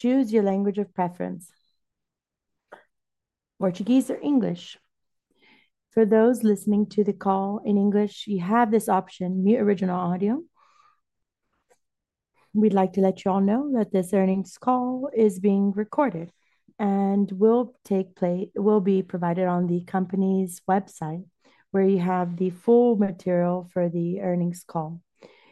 Choose your language of preference. Portuguese or English? For those listening to the call in English, you have this option – New Original Audio. We'd like to let you all know that this earnings call is being recorded and will be provided on the company's website where you have the full material for the earnings call.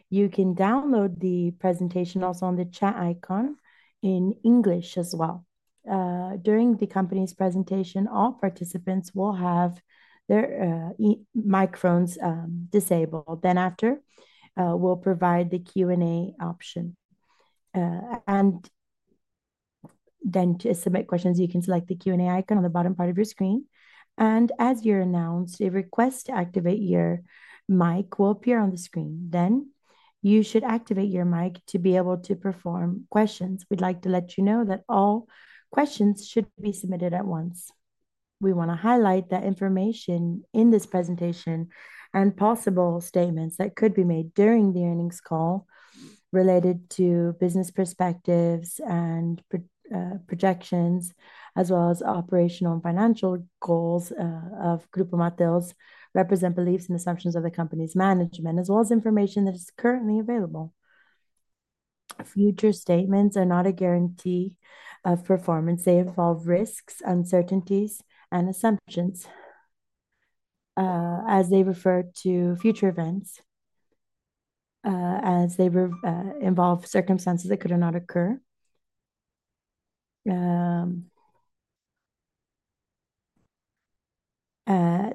You can download the presentation also on the chat icon in English as well. During the company's presentation, all participants will have their microphones disabled. After, we'll provide the Q&A option. To submit questions, you can select the Q&A icon on the bottom part of your screen. As you're announced, a request to activate your mic will appear on the screen. You should activate your mic to be able to perform questions. We'd like to let you know that all questions should be submitted at once. We want to highlight the information in this presentation and possible statements that could be made during the earnings call related to business perspectives and projections, as well as operational and financial goals of Grupo Mateus, represent beliefs and assumptions of the company's management, as well as information that is currently available. Future statements are not a guarantee of performance. They involve risks, uncertainties, and assumptions as they refer to future events, as they involve circumstances that could or not occur.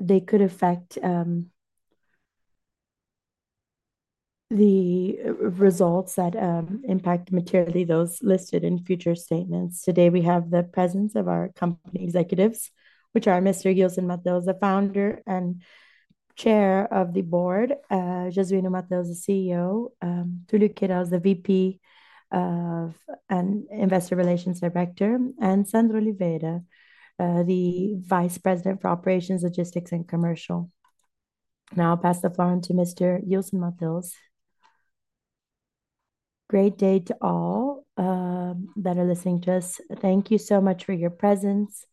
They could affect the results that impact materially those listed in future statements. Today, we have the presence of our company executives, which are Mr. Ilson Mateus, the Founder and Chair of the Board – Jesu´ino Martins, the CEO – Tulio Queiroz, the VP and Investor Relations Director – and Sandro Oliveira, the Vice President for Operations, Logistics, and Commercial. Now I'll pass the floor on to Mr. Ilson Mateus. Great day to all that are listening to us. Thank you so much for your presence.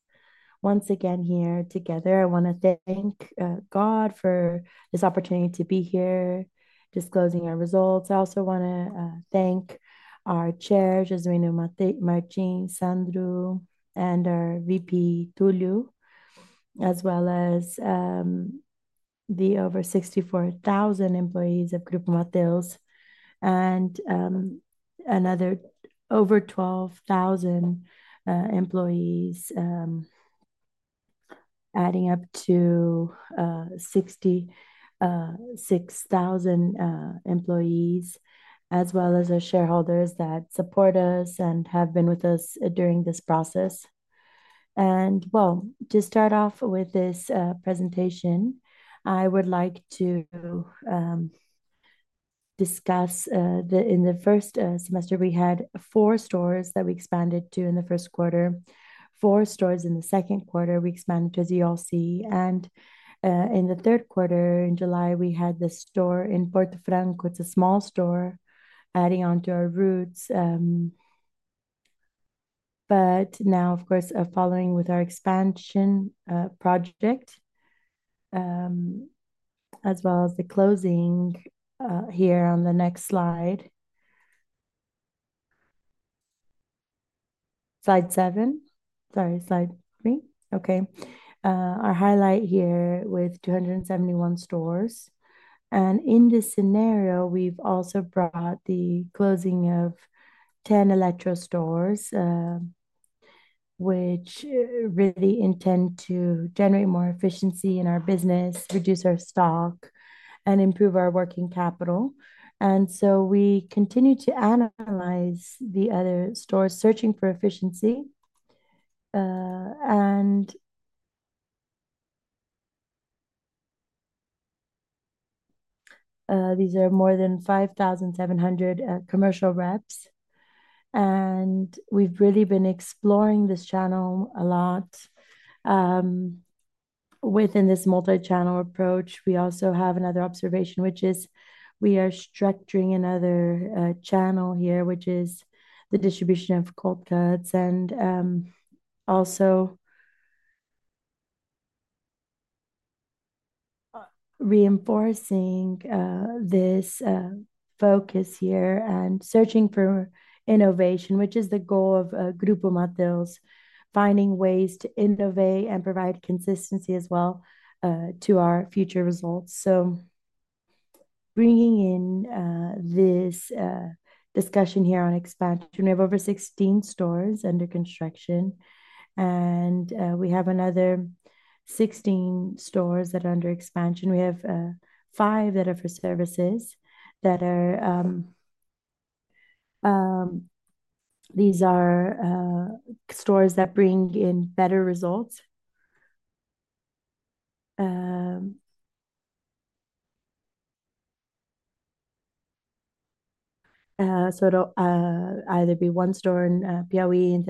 Once again, here together, I want to thank God for this opportunity to be here disclosing our results. I also want to thank our chairs, Juse´ino Martins, Sandro, and our VP, Tulio, as well as the over 64,000 employees at Grupo Mateus and another over 12,000 employees, adding up to 66,000 employees, as well as our shareholders that support us and have been with us during this process. To start off with this presentation, I would like to discuss that in the first semester, we had four stores that we expanded to in the first quarter, four stores in the second quarter we expanded to, as you all see. In the third quarter, in July, we had the store in Porto Franco. It's a small store adding on to our roots. Of course, following with our expansion project, as well as the closing here on the next slide. Slide seven. Sorry, slide three. Our highlight here with 271 stores. In this scenario, we've also brought the closing of 10 Eletro Mateus stores, which really intend to generate more efficiency in our business, reduce our stock, and improve our working capital. We continue to analyze the other stores searching for efficiency. These are more than 5,700 commercial reps. We've really been exploring this channel a lot. Within this multi-channel approach, we also have another observation, which is we are structuring another channel here, which is the distribution of co-parts and also reinforcing this focus here and searching for innovation, which is the goal of Grupo Mateus, finding ways to innovate and provide consistency as well to our future results. Bringing in this discussion here on expansion, we have over 16 stores under construction. We have another 16 stores that are under expansion. We have five that are for services. These are stores that bring in better results. It'll either be one store in Piauí and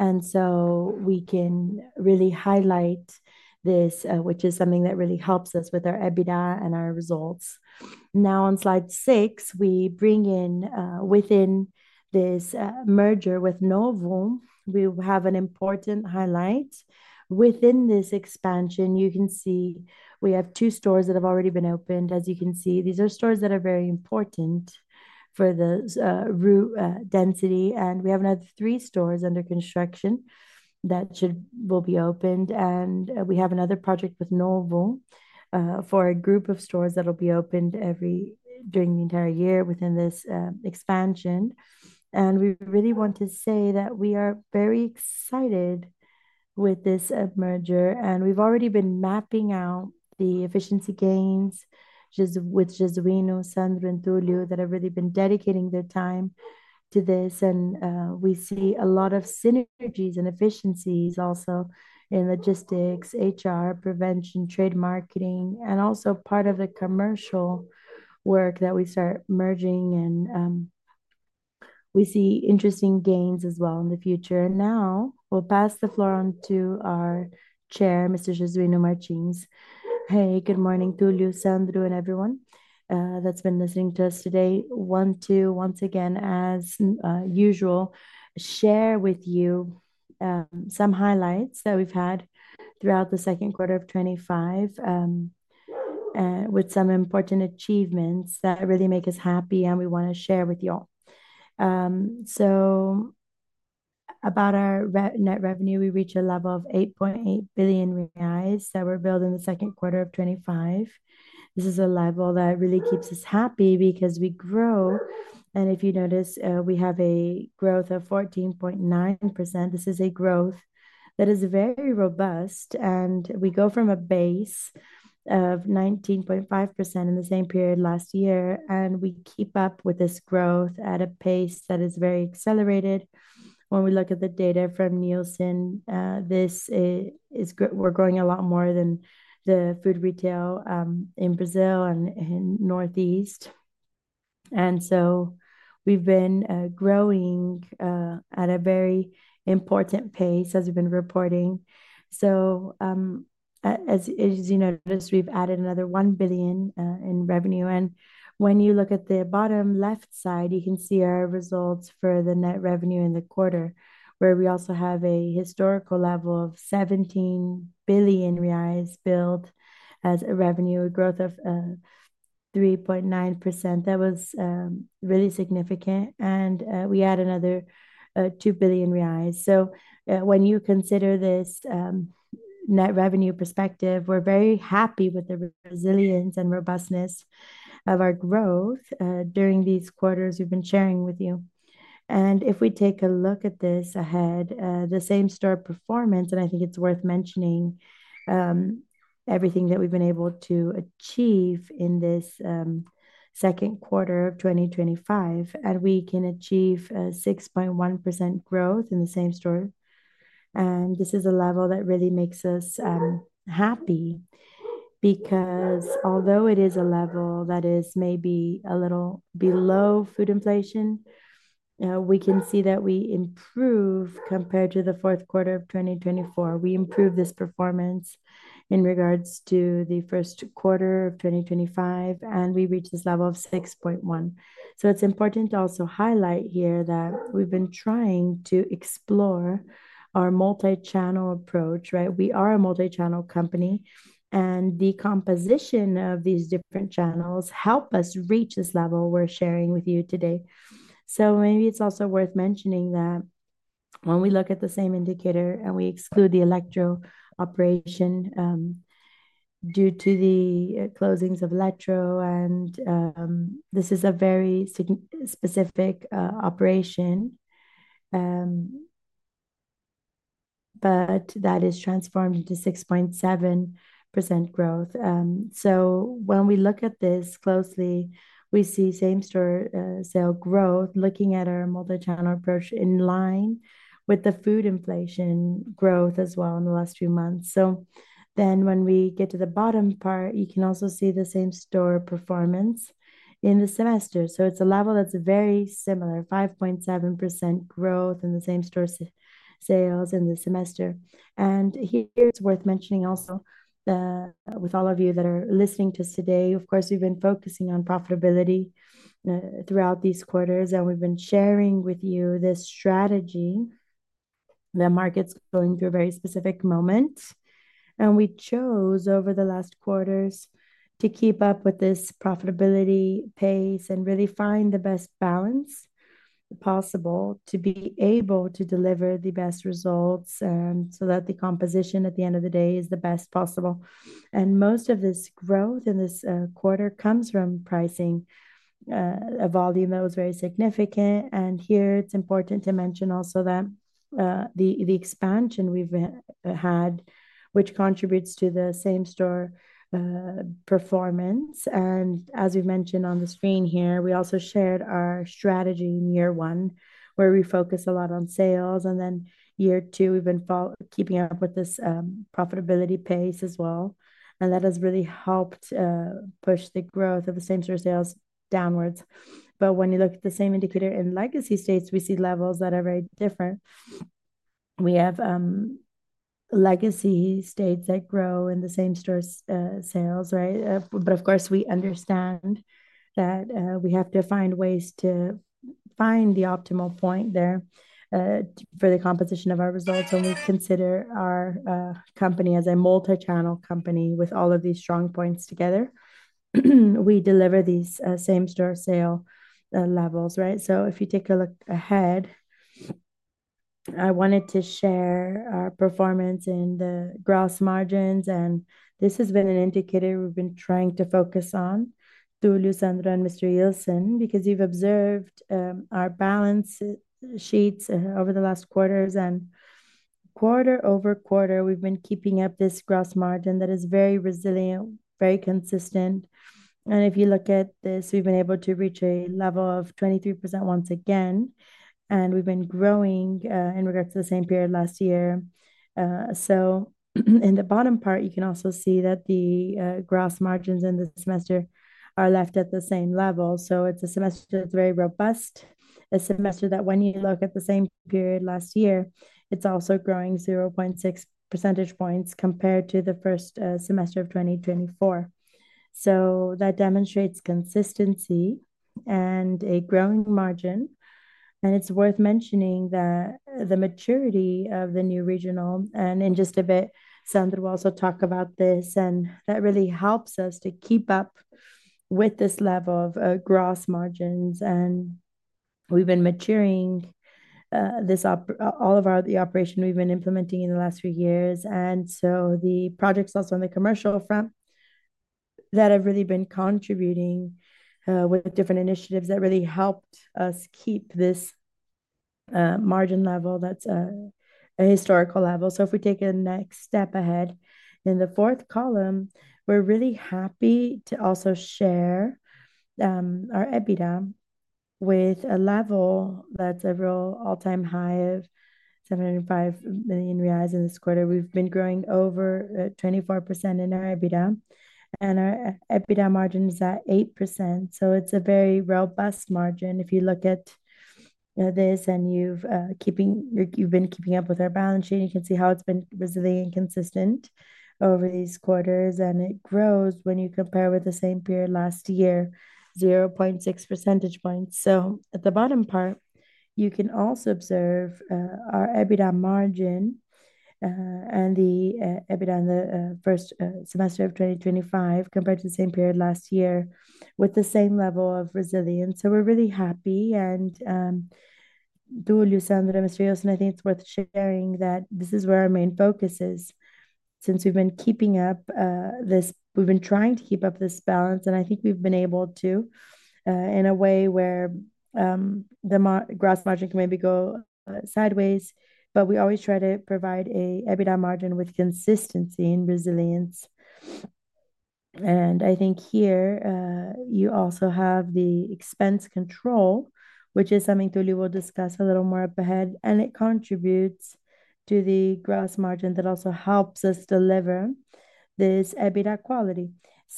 Teresina. We can really highlight this, which is something that really helps us with our EBITDA and our results. Now on slide six, we bring in within this merger with Novum, we have an important highlight. Within this expansion, you can see we have two stores that have already been opened. As you can see, these are stores that are very important for the root density. We have another three stores under construction that will be opened. We have another project with Novum for a group of stores that will be opened during the entire year within this expansion. We really want to say that we are very excited with this merger. We've already been mapping out the efficiency gains, which is with Jesu´ino, Sandro, and Tulio that have really been dedicating their time to this. We see a lot of synergies and efficiencies also in logistics, HR, prevention, trade marketing, and also part of the commercial work that we start merging. We see interesting gains as well in the future. Now we'll pass the floor on to our Chair, Mr. Jesu´ino Martins. Hey, good morning, Tulio, Sandro, and everyone that's been listening to us today. Want to, once again, as usual, share with you some highlights that we've had throughout the second quarter of 2025 with some important achievements that really make us happy and we want to share with you all. About our net revenue, we reach a level of 8.8 billion reais that we're building in the second quarter of 2025. This is a level that really keeps us happy because we grow. If you notice, we have a growth of 14.9%. This is a growth that is very robust. We go from a base of 19.5% in the same period last year. We keep up with this growth at a pace that is very accelerated. When we look at the data from Nielsen, we're growing a lot more than the food retail in Brazil and in the Northeast. We've been growing at a very important pace, as we've been reporting. As you noticed, we've added another 1 billion in revenue. When you look at the bottom left side, you can see our results for the net revenue in the quarter, where we also have a historical level of 17 billion reais built as a revenue growth of 3.9%. That was really significant. We add another 2 billion reais. When you consider this net revenue perspective, we're very happy with the resilience and robustness of our growth during these quarters we've been sharing with you. If we take a look at this ahead, the same-store performance, I think it's worth mentioning everything that we've been able to achieve in this second quarter of 2025. We can achieve a 6.1% growth in the same store. This is a level that really makes us happy because although it is a level that is maybe a little below food inflation, we can see that we improve compared to the fourth quarter of 2024. We improve this performance in regards to the first quarter of 2025. We reach this level of 6.1%. It's important to also highlight here that we've been trying to explore our multi-channel approach, right? We are a multi-channel company. The composition of these different channels helps us reach this level we're sharing with you today. Maybe it's also worth mentioning that when we look at the same indicator and we exclude the Eletro operation due to the closings of Eletro, and this is a very specific operation, that has transformed into 6.7% growth. When we look at this closely, we see same-store sale growth, looking at our multi-channel approach in line with the food inflation growth as well in the last few months. When we get to the bottom part, you can also see the same-store performance in the semester. It's a level that's very similar, 5.7% growth in the same-store sales in the semester. Here it's worth mentioning also with all of you that are listening to us today, of course, we've been focusing on profitability throughout these quarters. We've been sharing with you this strategy that markets are going through a very specific moment. We chose over the last quarters to keep up with this profitability pace and really find the best balance possible to be able to deliver the best results so that the composition at the end of the day is the best possible. Most of this growth in this quarter comes from pricing, a volume that was very significant. Here it's important to mention also that the expansion we've had, which contributes to the same-store performance. As we've mentioned on the screen here, we also shared our strategy in year one, where we focus a lot on sales. In year two, we've been keeping up with this profitability pace as well. That has really helped push the growth of the same-store sales downwards. When you look at the same indicator in legacy states, we see levels that are very different. We have legacy states that grow in the same-store sales, right? Of course, we understand that we have to find ways to find the optimal point there for the composition of our results. When we consider our company as a multi-channel company with all of these strong points together, we deliver these same-store sale levels, right? If you take a look ahead, I wanted to share our performance in the gross margins. This has been an indicator we've been trying to focus on, Tulio, Sandro, and Mr. Ilson, because you've observed our balance sheets over the last quarters. Quarter-over-quarter, we've been keeping up this gross margin that is very resilient, very consistent. If you look at this, we've been able to reach a level of 23% once again. We've been growing in regards to the same period last year. In the bottom part, you can also see that the gross margins in the semester are left at the same level. It's a semester that's very robust. A semester that when you look at the same period last year, it's also growing 0.6 percentage points compared to the first semester of 2024. That demonstrates consistency and a growing margin. It's worth mentioning that the maturity of the new regional, and in just a bit, Sandro will also talk about this. That really helps us to keep up with this level of gross margins. We've been maturing all of the operation we've been implementing in the last few years. The projects also on the commercial front have really been contributing with different initiatives that really helped us keep this margin level that's a historical level. If we take a next step ahead, in the fourth column, we're really happy to also share our EBITDA with a level that's a real all-time high of 705 million reais in this quarter. We've been growing over 24% in our EBITDA. Our EBITDA margin is at 8%. It's a very robust margin. If you look at this and you've been keeping up with our balance sheet, you can see how it's been resilient and consistent over these quarters. It grows when you compare with the same period last year, 0.6 percentage points. At the bottom part, you can also observe our EBITDA margin and the EBITDA in the first semester of 2025 compared to the same period last year with the same level of resilience. We're really happy. Tulio, Sandro, and Mr. Ilson, I think it's worth sharing that this is where our main focus is since we've been keeping up this. We've been trying to keep up this balance. I think we've been able to in a way where the gross margin can maybe go sideways. We always try to provide an EBITDA margin with consistency and resilience. I think here you also have the expense control, which is something Tulio will discuss a little more up ahead. It contributes to the gross margin that also helps us deliver this EBITDA quality.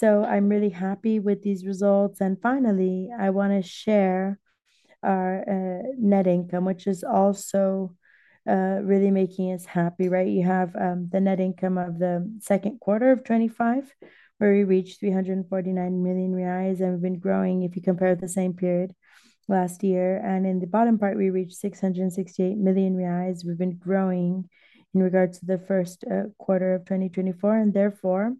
I'm really happy with these results. Finally, I want to share our net income, which is also really making us happy, right? You have the net income of the second quarter of 2025, where we reached 349 million reais. We've been growing, if you compare the same period last year. In the bottom part, we reached 668 million reais. We've been growing in regards to the first quarter of 2024. Therefore,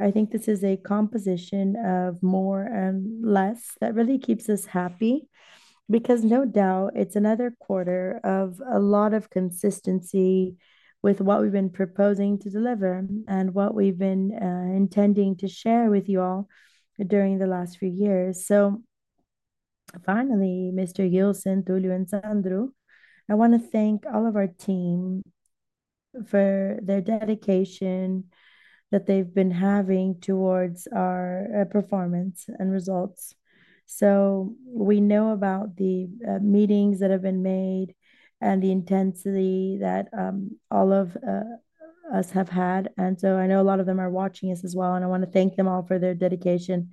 I think this is a composition of more and less that really keeps us happy because no doubt, it's another quarter of a lot of consistency with what we've been proposing to deliver and what we've been intending to share with you all during the last few years. Finally, Mr. Ilson, Tulio, and Sandro, I want to thank all of our team for their dedication that they've been having towards our performance and results. We know about the meetings that have been made and the intensity that all of us have had. I know a lot of them are watching us as well. I want to thank them all for their dedication.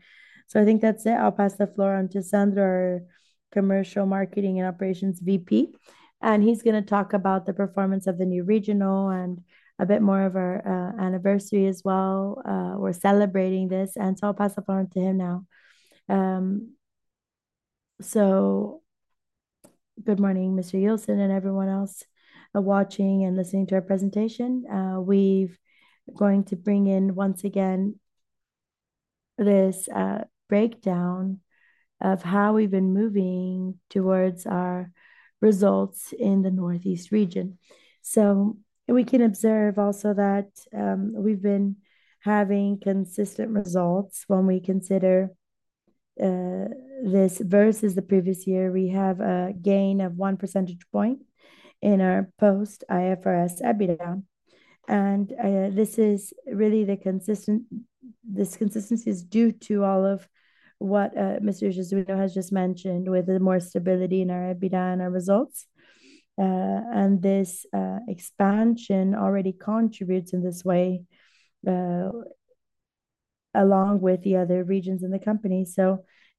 I think that's it. I'll pass the floor on to Sandro, our Commercial Marketing and Operations VP. He's going to talk about the performance of the new regional and a bit more of our anniversary as well. We're celebrating this. I'll pass the floor on to him now. Good morning, Mr. Ilson and everyone else watching and listening to our presentation. We're going to bring in once again this breakdown of how we've been moving towards our results in the Northeast region. We can observe also that we've been having consistent results when we consider this versus the previous year. We have a gain of 1% in our post-IFRS EBITDA. This consistency is due to all of what Mr. Jesu´ino has just mentioned with the more stability in our EBITDA and our results. This expansion already contributes in this way along with the other regions in the company.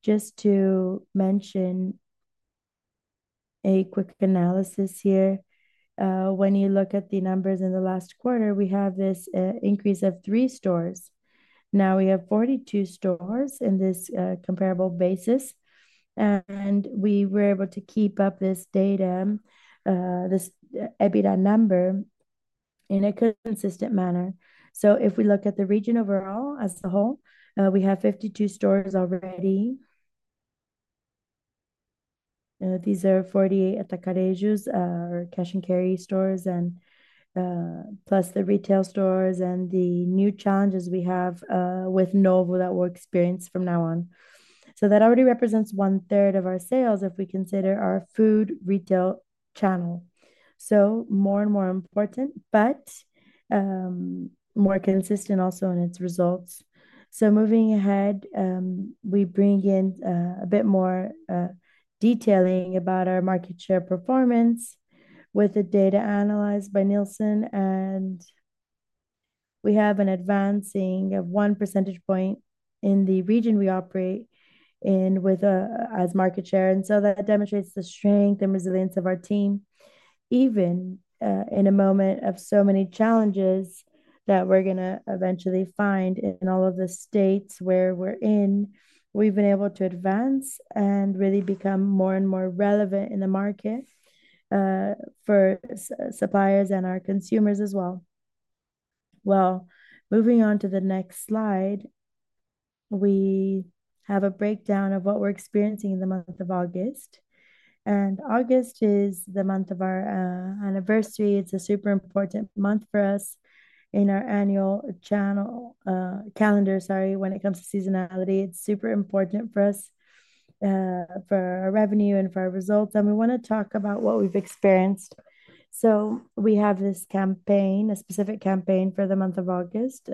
Just to mention a quick analysis here, when you look at the numbers in the last quarter, we have this increase of three stores. Now we have 42 stores in this comparable basis. We were able to keep up this data, this EBITDA number in a consistent manner. If we look at the region overall as a whole, we have 52 stores already. These are 48 atacarejos, or cash and carry stores, plus the retail stores and the new challenges we have with Novum that we'll experience from now on. That already represents one-third of our sales if we consider our food retail channel. More and more important, but more consistent also in its results. Moving ahead, we bring in a bit more detailing about our market share performance with the data analyzed by Nielsen. We have an advancing of 1% in the region we operate in with as market share. That demonstrates the strength and resilience of our team, even in a moment of so many challenges that we're going to eventually find in all of the states where we're in. We've been able to advance and really become more and more relevant in the market for suppliers and our consumers as well. Moving on to the next slide, we have a breakdown of what we're experiencing in the month of August. August is the month of our anniversary. It's a super important month for us in our annual channel calendar, sorry, when it comes to seasonality. It's super important for us, for our revenue, and for our results. We want to talk about what we've experienced. We have this campaign, a specific campaign for the month of August,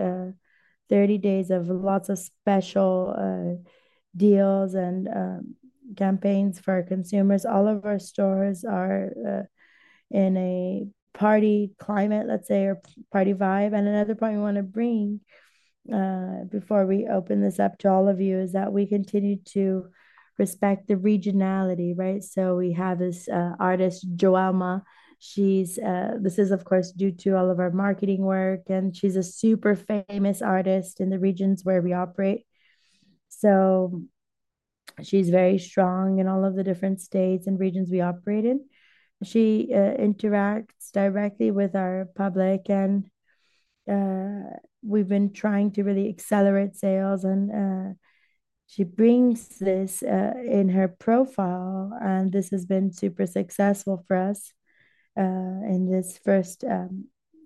30 days of lots of special deals and campaigns for our consumers. All of our stores are in a party climate, let's say, or party vibe. Another point we want to bring before we open this up to all of you is that we continue to respect the regionality, right? We have this artist, Joelma. This is, of course, due to all of our marketing work. She's a super famous artist in the regions where we operate. She's very strong in all of the different states and regions we operate in. She interacts directly with our public. We've been trying to really accelerate sales. She brings this in her profile. This has been super successful for us in this first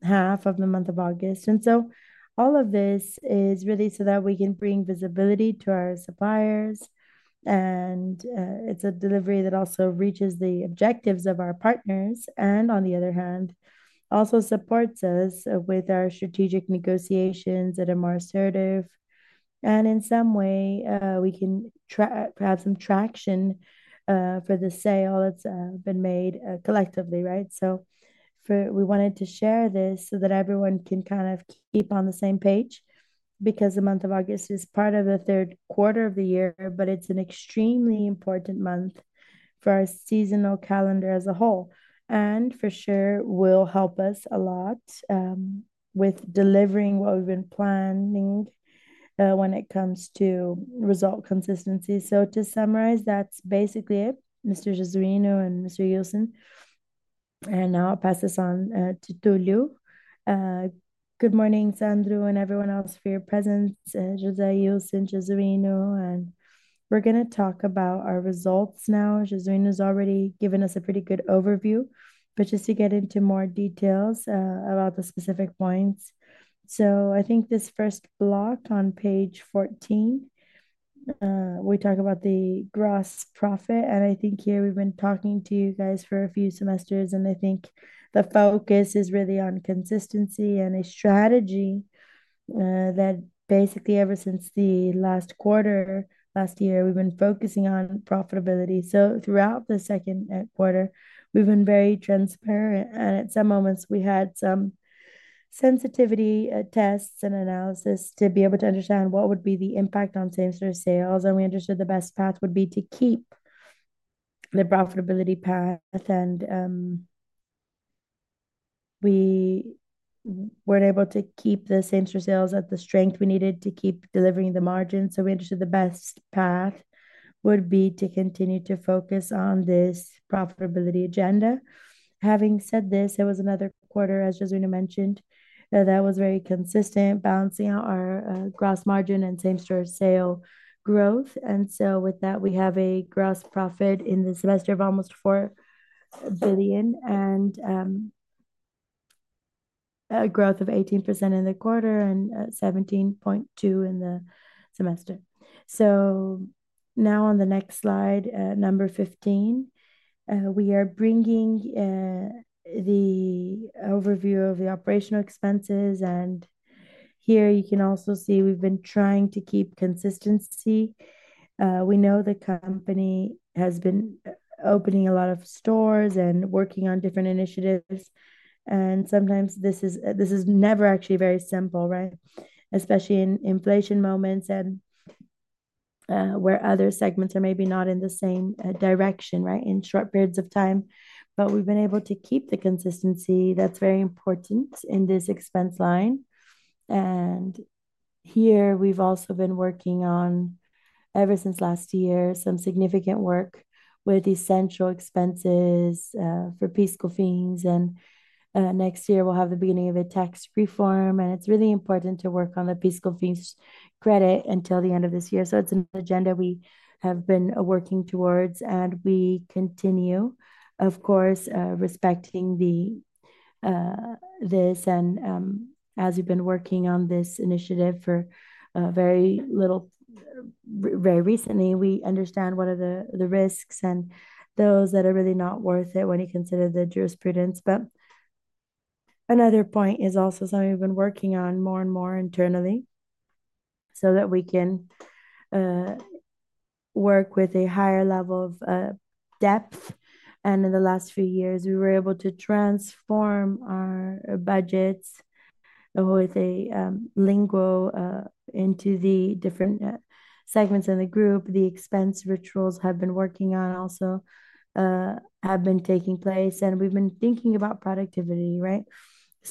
half of the month of August. All of this is really so that we can bring visibility to our suppliers. It's a delivery that also reaches the objectives of our partners. On the other hand, it also supports us with our strategic negotiations that are more assertive. In some way, we can have some traction for the sale that's been made collectively, right? We wanted to share this so that everyone can kind of keep on the same page because the month of August is part of the third quarter of the year, but it's an extremely important month for our seasonal calendar as a whole. For sure, it will help us a lot with delivering what we've been planning when it comes to result consistency. To summarize, that's basically it, Mr. Jesu´ino and Mr. Ilson. Now I'll pass this on to Tulio. Good morning, Sandro and everyone else for your presence and [Mateus] and Jesu´ino. We're going to talk about our results now. Jesu´ino has already given us a pretty good overview, but just to get into more details about the specific points. I think this first block on page 14, we talk about the gross profit. I think here we've been talking to you guys for a few semesters. I think the focus is really on consistency and a strategy that basically ever since the last quarter, last year, we've been focusing on profitability. Throughout the second quarter, we've been very transparent. At some moments, we had some sensitivity tests and analysis to be able to understand what would be the impact on same-store sales. We understood the best path would be to keep the profitability path. We weren't able to keep the same-store sales at the strength we needed to keep delivering the margins. We understood the best path would be to continue to focus on this profitability agenda. Having said this, there was another quarter, as Jesu´ino mentioned, that was very consistent, balancing our gross margin and same-store sale growth. With that, we have a gross profit in the semester of almost 4 billion and a growth of 18% in the quarter and 17.2% in the semester. Now on the next slide, number 15, we are bringing the overview of the operational expenses. Here you can also see we've been trying to keep consistency. We know the company has been opening a lot of stores and working on different initiatives. Sometimes this is never actually very simple, especially in inflation moments and where other segments are maybe not in the same direction in short periods of time. We've been able to keep the consistency that's very important in this expense line. Here we've also been working on, ever since last year, some significant work with the central expenses for PIS/COFINS fees. Next year, we'll have the beginning of a tax reform. It's really important to work on the PIS/COFINS credit until the end of this year. It's an agenda we have been working towards. We continue, of course, respecting this. As we've been working on this initiative very recently, we understand what are the risks and those that are really not worth it when you consider the jurisprudence. Another point is also something we've been working on more and more internally so that we can work with a higher level of depth. In the last few years, we were able to transform our budgets with a lingo into the different segments in the group. The expense rituals we have been working on also have been taking place. We've been thinking about productivity, right?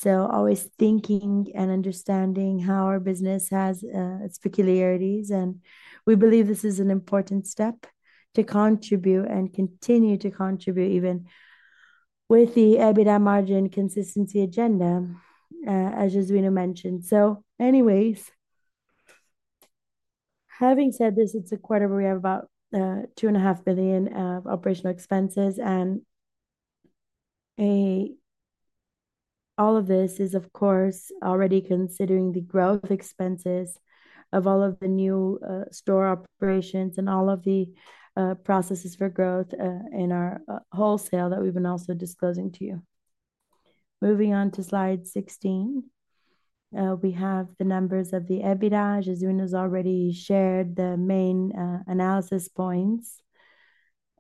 Always thinking and understanding how our business has its peculiarities, we believe this is an important step to contribute and continue to contribute even with the EBITDA margin consistency agenda, as Jesu´ino mentioned. Having said this, it's a quarter where we have about 2.5 billion of operational expenses. All of this is, of course, already considering the growth expenses of all of the new store operations and all of the processes for growth in our wholesale that we've been also disclosing to you. Moving on to slide 16, we have the numbers of the EBITDA. Jesu´ino has already shared the main analysis points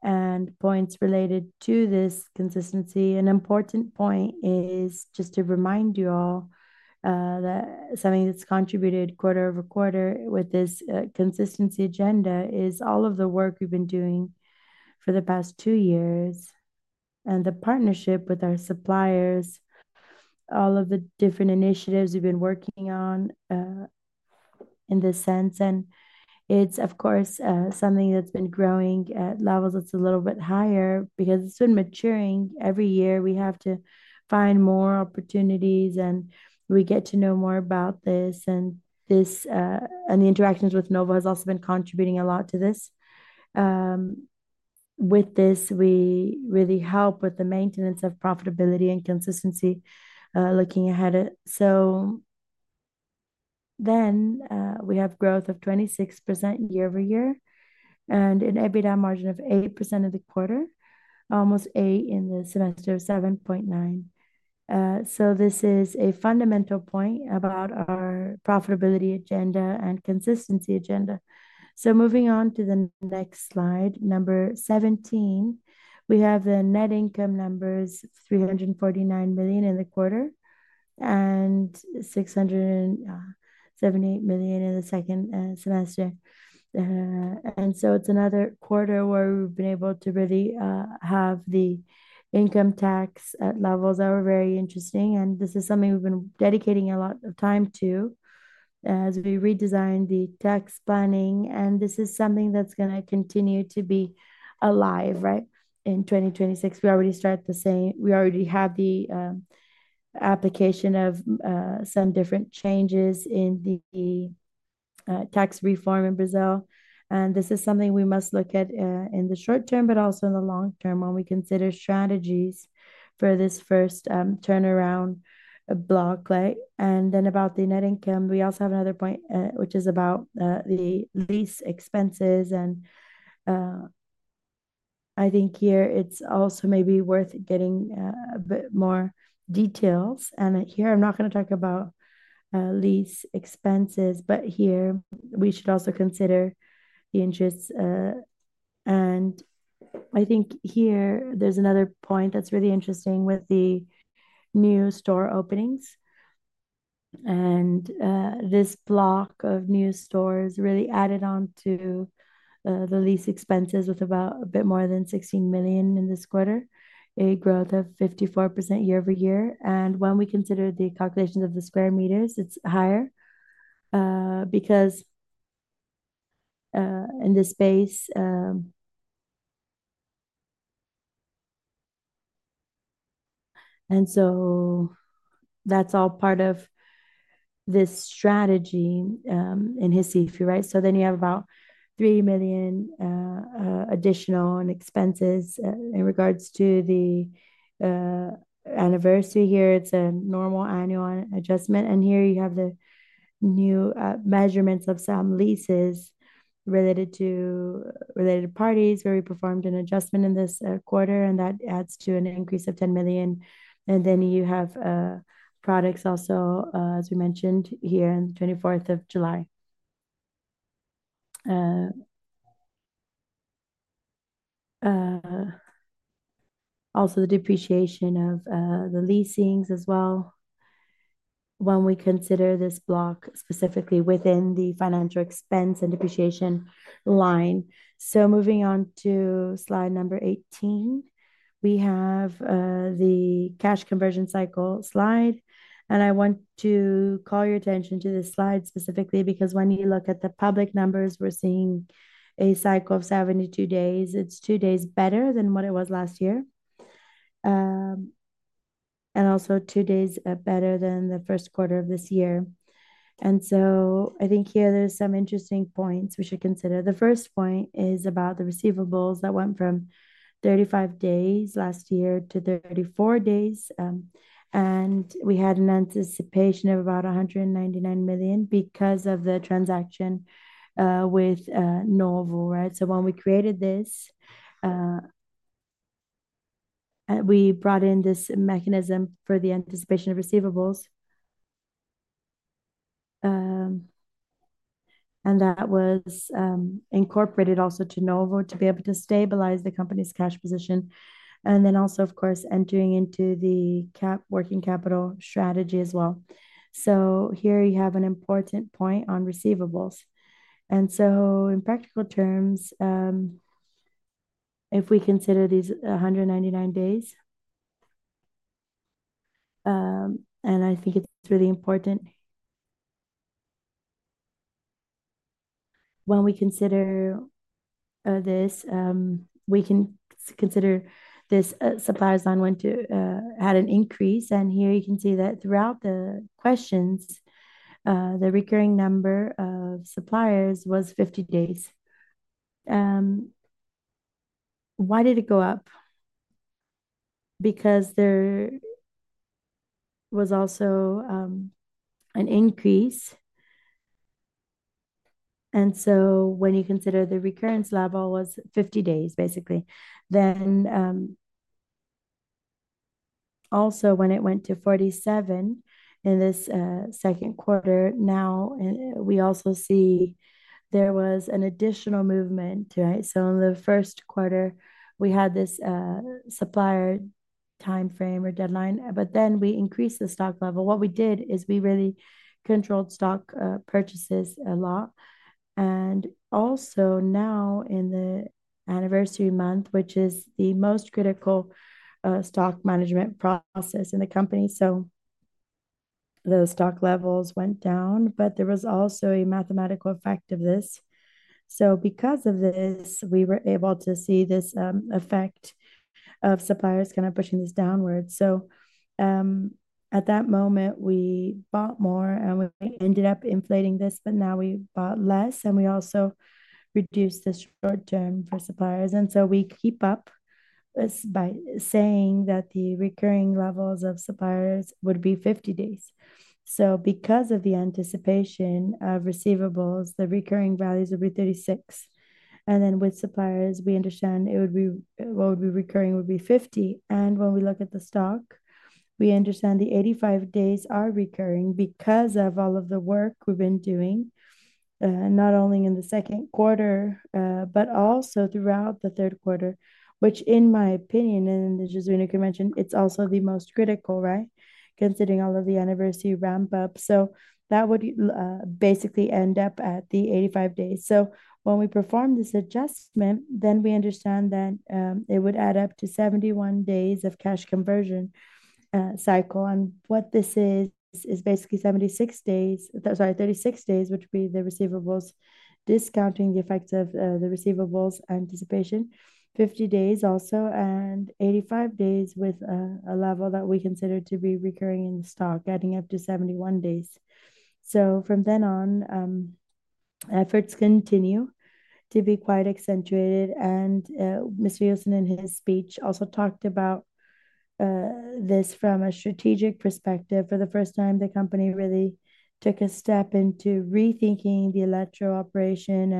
and points related to this consistency. An important point is just to remind you all that something that's contributed quarter over quarter with this consistency agenda is all of the work we've been doing for the past two years and the partnership with our suppliers, all of the different initiatives we've been working on in this sense. It's, of course, something that's been growing at levels that's a little bit higher because it's been maturing every year. We have to find more opportunities, and we get to know more about this. The interactions with Novum have also been contributing a lot to this. With this, we really help with the maintenance of profitability and consistency looking ahead. We have growth of 26% year-over-year and an EBITDA margin of 8% for the quarter, almost 8% in the semester, 7.9%. This is a fundamental point about our profitability agenda and consistency agenda. Moving on to the next slide, number 17, we have the net income numbers – 349 million in the quarter and 678 million in the second semester. It's another quarter where we've been able to really have the income tax levels that were very interesting. This is something we've been dedicating a lot of time to as we redesign the tax planning. This is something that's going to continue to be alive, right? In 2026, we already start the same. We already have the application of some different changes in the tax reform in Brazil. This is something we must look at in the short term, but also in the long term when we consider strategies for this first turnaround block. About the net income, we also have another point, which is about the lease expenses. I think here it's also maybe worth getting a bit more details. Here I'm not going to talk about lease expenses, but here we should also consider the interests. I think here there's another point that's really interesting with the new store openings. This block of new stores really added on to the lease expenses with about a bit more than 16 million in this quarter, a growth of 54% year-over-year. When we consider the calculations of the square meters, it's higher because in this space. That's all part of this strategy in his safety, right? You have about $3 million additional in expenses in regards to the anniversary here. It's a normal annual adjustment. Here you have the new measurements of some leases related to related parties where we performed an adjustment in this quarter. That adds to an increase of $10 million. You have products also, as we mentioned here, on the 24th of July. Also, the depreciation of the leasings as well when we consider this block specifically within the financial expense and depreciation line. Moving on to slide number 18, we have the cash conversion cycle slide. I want to call your attention to this slide specifically because when you look at the public numbers, we're seeing a cycle of 72 days. It's two days better than what it was last year and also two days better than the first quarter of this year. I think here there's some interesting points we should consider. The first point is about the receivables that went from 35 days last year to 34 days. We had an anticipation of about 199 million because of the transaction with Novum, right? When we created this, we brought in this mechanism for the anticipation of receivables. That was incorporated also to Novum to be able to stabilize the company's cash position and also, of course, entering into the working capital strategy as well. Here you have an important point on receivables. In practical terms, if we consider these 199 days, and I think it's really important, when we consider this, we can consider this supplier's line went to had an increase. Here you can see that throughout the questions, the recurring number of suppliers was 50 days. Why did it go up? Because there was also an increase. When you consider the recurrence level was 50 days, basically. Also, when it went to 47 in this second quarter, now we also see there was an additional movement, right? In the first quarter, we had this supplier timeframe or deadline, but then we increased the stock level. What we did is we really controlled stock purchases a lot. Also now in the anniversary month, which is the most critical stock management process in the company, the stock levels went down. There was also a mathematical effect of this. Because of this, we were able to see this effect of suppliers kind of pushing this downwards. At that moment, we bought more and we ended up inflating this, but now we bought less. We also reduced the short term for suppliers. We keep up by saying that the recurring levels of suppliers would be 50 days. Because of the anticipation of receivables, the recurring values would be 36. With suppliers, we understand it would be what would be recurring would be 50. When we look at the stock, we understand the 85 days are recurring because of all of the work we've been doing, not only in the second quarter, but also throughout the third quarter, which in my opinion, and as Jesu´ino can mention, it's also the most critical, right, considering all of the anniversary ramp-up. That would basically end up at the 85 days. When we perform this adjustment, we understand that it would add up to 71 days of cash conversion cycle. What this is, is basically 36 days, which would be the receivables, discounting the effects of the receivables anticipation, 50 days also, and 85 days with a level that we consider to be recurring in the stock, adding up to 71 days. From then on, efforts continue to be quite accentuated. Mr. Ilson in his speech also talked about this from a strategic perspective. For the first time, the company really took a step into rethinking the electro operation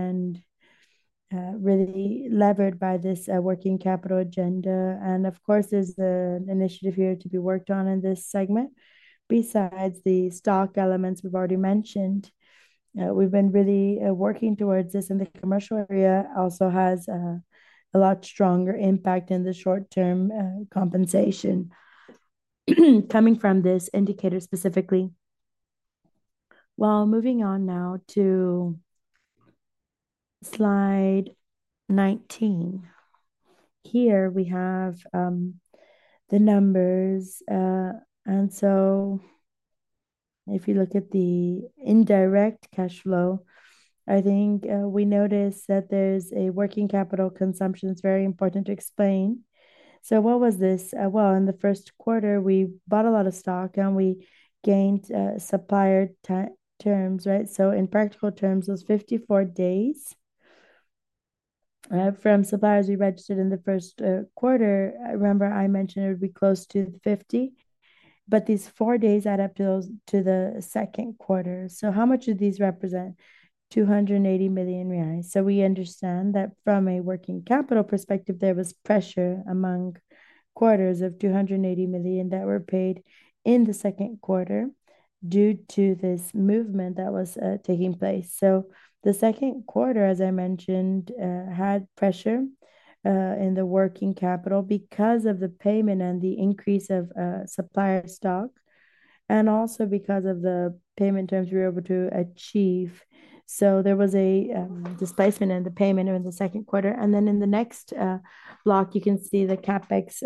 and really levered by this working capital agenda. Of course, there's an initiative here to be worked on in this segment. Besides the stock elements we've already mentioned, we've been really working towards this in the commercial area. It also has a lot stronger impact in the short-term compensation coming from this indicator specifically. Moving on now to slide 19. Here we have the numbers. If you look at the indirect cash flow, I think we notice that there's a working capital consumption that's very important to explain. What was this? In the first quarter, we bought a lot of stock and we gained supplier terms, right? In practical terms, those 54 days from suppliers we registered in the first quarter, I remember I mentioned it would be close to 50. These four days add up to the second quarter. How much do these represent? 280 million reais. We understand that from a working capital perspective, there was pressure among quarters of 280 million that were paid in the second quarter due to this movement that was taking place. The second quarter, as I mentioned, had pressure in the working capital because of the payment and the increase of supplier stock and also because of the payment terms we were able to achieve. There was a displacement in the payment in the second quarter. In the next block, you can see the CapEx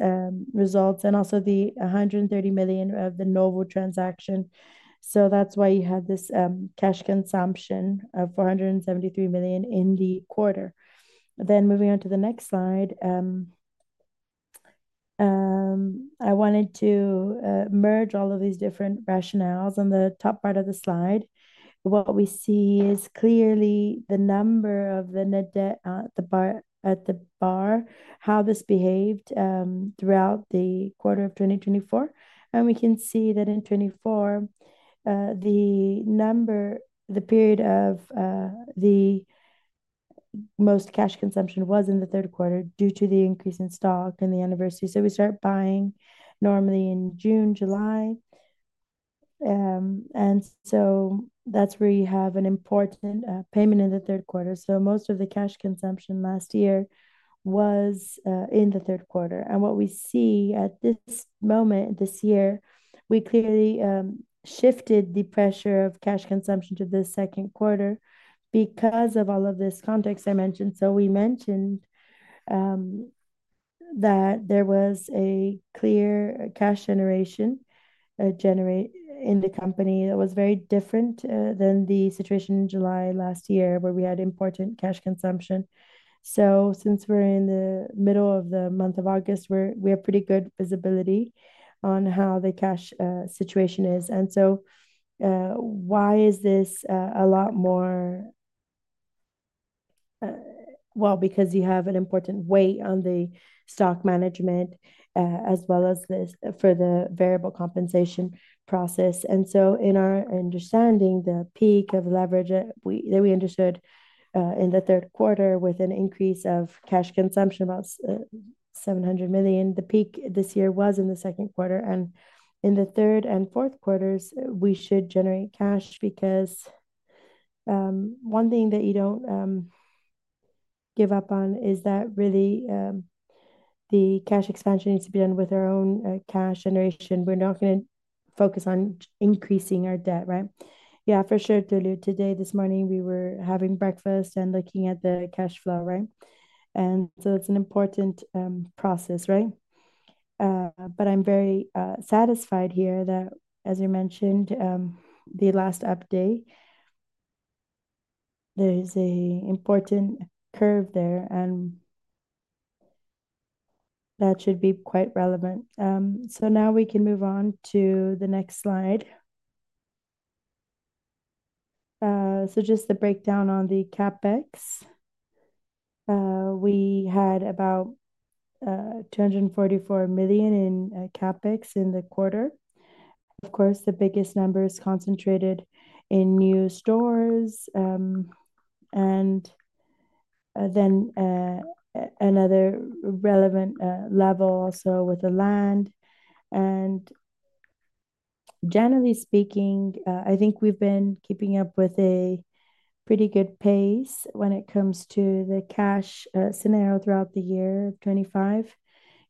results and also the 130 million of the Novum transaction. That is why you have this cash consumption of 473 million in the quarter. Moving on to the next slide, I wanted to merge all of these different rationales on the top part of the slide. What we see is clearly the number of the net debt at the bar, how this behaved throughout the quarter of 2024. We can see that in 2024, the period of the most cash consumption was in the third quarter due to the increase in stock and the anniversary. We start buying normally in June, July, and that is where you have an important payment in the third quarter. Most of the cash consumption last year was in the third quarter. What we see at this moment this year, we clearly shifted the pressure of cash consumption to the second quarter because of all of this context I mentioned. We mentioned that there was a clear cash generation in the company that was very different than the situation in July last year where we had important cash consumption. Since we're in the middle of the month of August, we have pretty good visibility on how the cash situation is. Why is this a lot more? Because you have an important weight on the stock management as well as this for the variable compensation process. In our understanding, the peak of leverage that we understood in the third quarter with an increase of cash consumption of about 700 million, the peak this year was in the second quarter. In the third and fourth quarters, we should generate cash because one thing that you don't give up on is that really the cash expansion needs to be done with our own cash generation. We're not going to focus on increasing our debt, right? Yeah, for sure. Today, this morning, we were having breakfast and looking at the cash flow, right? It's an important process, right? I'm very satisfied here that, as I mentioned, the last update, there is an important curve there. That should be quite relevant. Now we can move on to the next slide. Just the breakdown on the CapEx. We had about 244 million in CapEx in the quarter. Of course, the biggest number is concentrated in new stores, and then another relevant level also with the land. Generally speaking, I think we've been keeping up with a pretty good pace when it comes to the cash scenario throughout the year of 2025,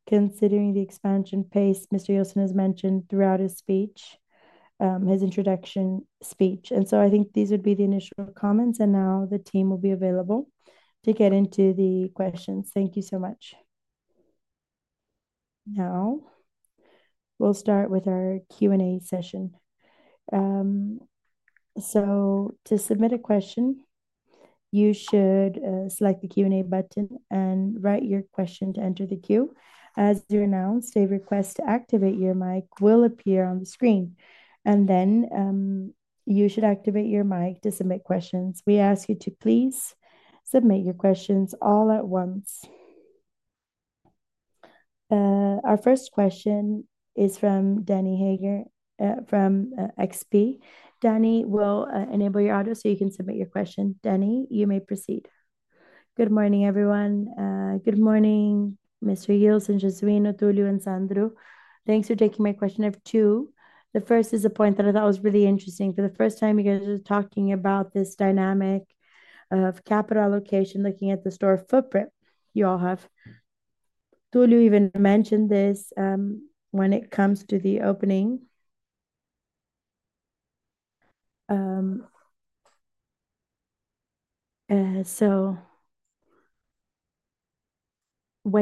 considering the expansion pace Mr. Ilson has mentioned throughout his introduction speech. I think these would be the initial comments. The team will be available to get into the questions. Thank you so much. Now we'll start with our Q&A session. To submit a question, you should select the Q&A button and write your question to enter the queue. As you do, a request to activate your mic will appear on the screen. You should activate your mic to submit questions. We ask you to please submit your questions all at once. Our first question is from Danny Hager from XP. Danny, we'll enable your audio so you can submit your question. Danny, you may proceed. Good morning, everyone. Good morning, Mr. Ilson, Jesu´ino, Tulio, and Sandro. Thanks for taking my question of two. The first is a point that I thought was really interesting. For the first time, you guys are talking about this dynamic of capital allocation, looking at the store footprint you all have. Tulio even mentioned this when it comes to the opening. When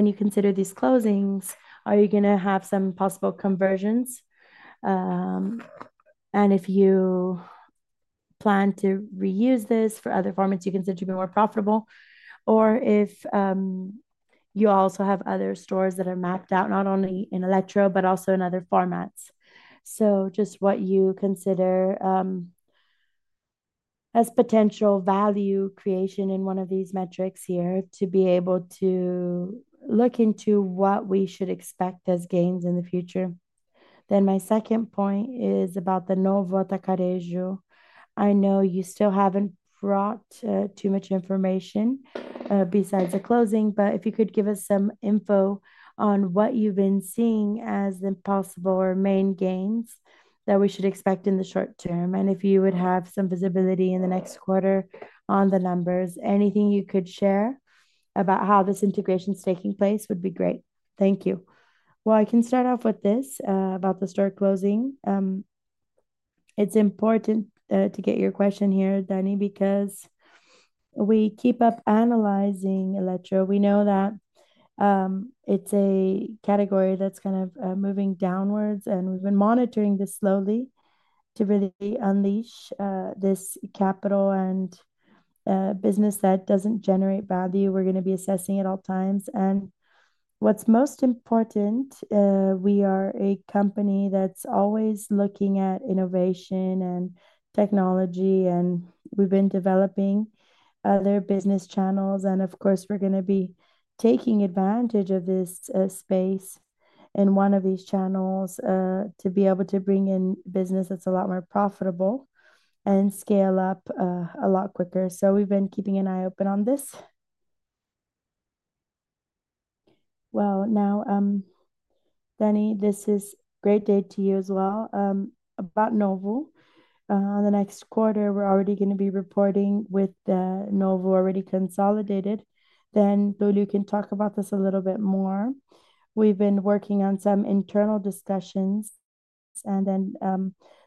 you consider these closings, are you going to have some possible conversions? If you plan to reuse this for other formats, you can continue to be more profitable. Or if you also have other stores that are mapped out not only in Eletro Mateus, but also in other formats. Just what you consider as potential value creation in one of these metrics here to be able to look into what we should expect as gains in the future. My second point is about the Novum atacarejo. I know you still haven't brought too much information besides the closing, but if you could give us some info on what you've been seeing as the possible or main gains that we should expect in the short term. If you would have some visibility in the next quarter on the numbers, anything you could share about how this integration is taking place would be great. Thank you. I can start off with this about the store closing. It's important to get your question here, Danny, because we keep up analyzing Eletro. We know that it's a category that's kind of moving downwards. We've been monitoring this slowly to really unleash this capital and business that doesn't generate value. We're going to be assessing at all times. What's most important, we are a company that's always looking at innovation and technology. We've been developing other business channels. Of course, we're going to be taking advantage of this space in one of these channels to be able to bring in business that's a lot more profitable and scale up a lot quicker. We've been keeping an eye open on this. Now, Danny, this is a great day to you as well about Novum. The next quarter, we're already going to be reporting with Novum already consolidated. Tulio can talk about this a little bit more. We've been working on some internal discussions, and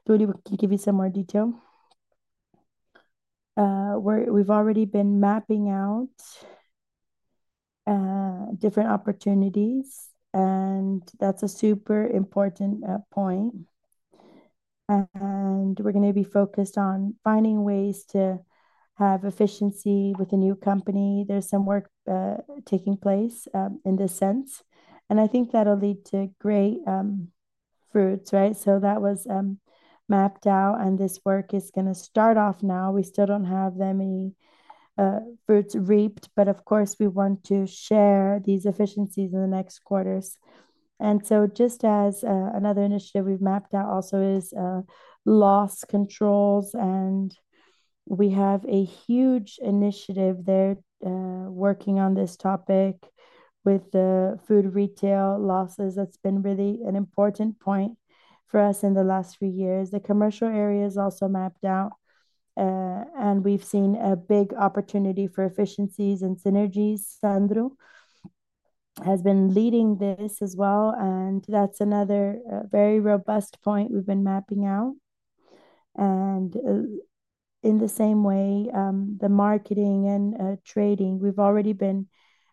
Tulio can give you some more detail. We've already been mapping out different opportunities, and that's a super important point. We're going to be focused on finding ways to have efficiency with a new company. There's some work taking place in this sense, and I think that'll lead to great fruits, right? That was mapped out, and this work is going to start off now. We still don't have that many fruits reaped, but of course, we want to share these efficiencies in the next quarters. Just as another initiative we've mapped out also is loss controls. We have a huge initiative there working on this topic with the food retail losses. That's been really an important point for us in the last few years. The commercial area is also mapped out, and we've seen a big opportunity for efficiencies and synergies. Sandro has been leading this as well, and that's another very robust point we've been mapping out. In the same way, the marketing and trading, we've already been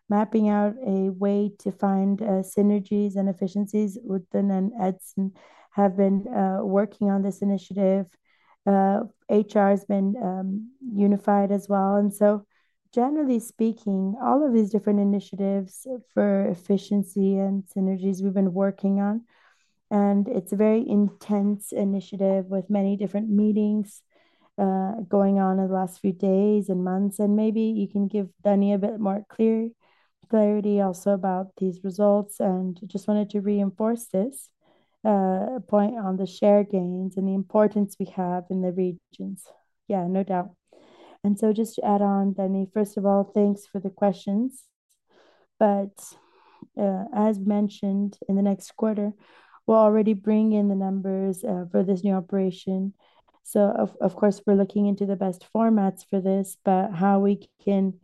mapping out a way to find synergies and efficiencies. Woodton and Edson have been working on this initiative. HR has been unified as well. Generally speaking, all of these different initiatives for efficiency and synergies we've been working on. It's a very intense initiative with many different meetings going on in the last few days and months. Maybe you can give Danny a bit more clarity also about these results. I just wanted to reinforce this point on the shared gains and the importance we have in the regions. Yeah, no doubt. Just to add on, Danny, first of all, thanks for the questions. As mentioned, in the next quarter, we'll already bring in the numbers for this new operation. Of course, we're looking into the best formats for this, but how we can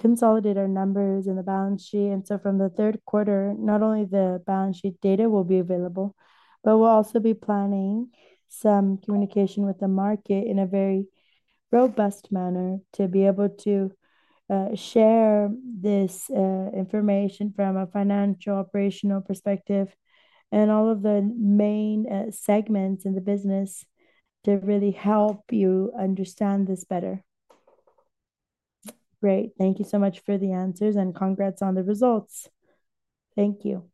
consolidate our numbers in the balance sheet. From the third quarter, not only the balance sheet data will be available, but we'll also be planning some communication with the market in a very robust manner to be able to share this information from a financial operational perspective and all of the main segments in the business to really help you understand this better. Great. Thank you so much for the answers and congrats on the results. Thank you.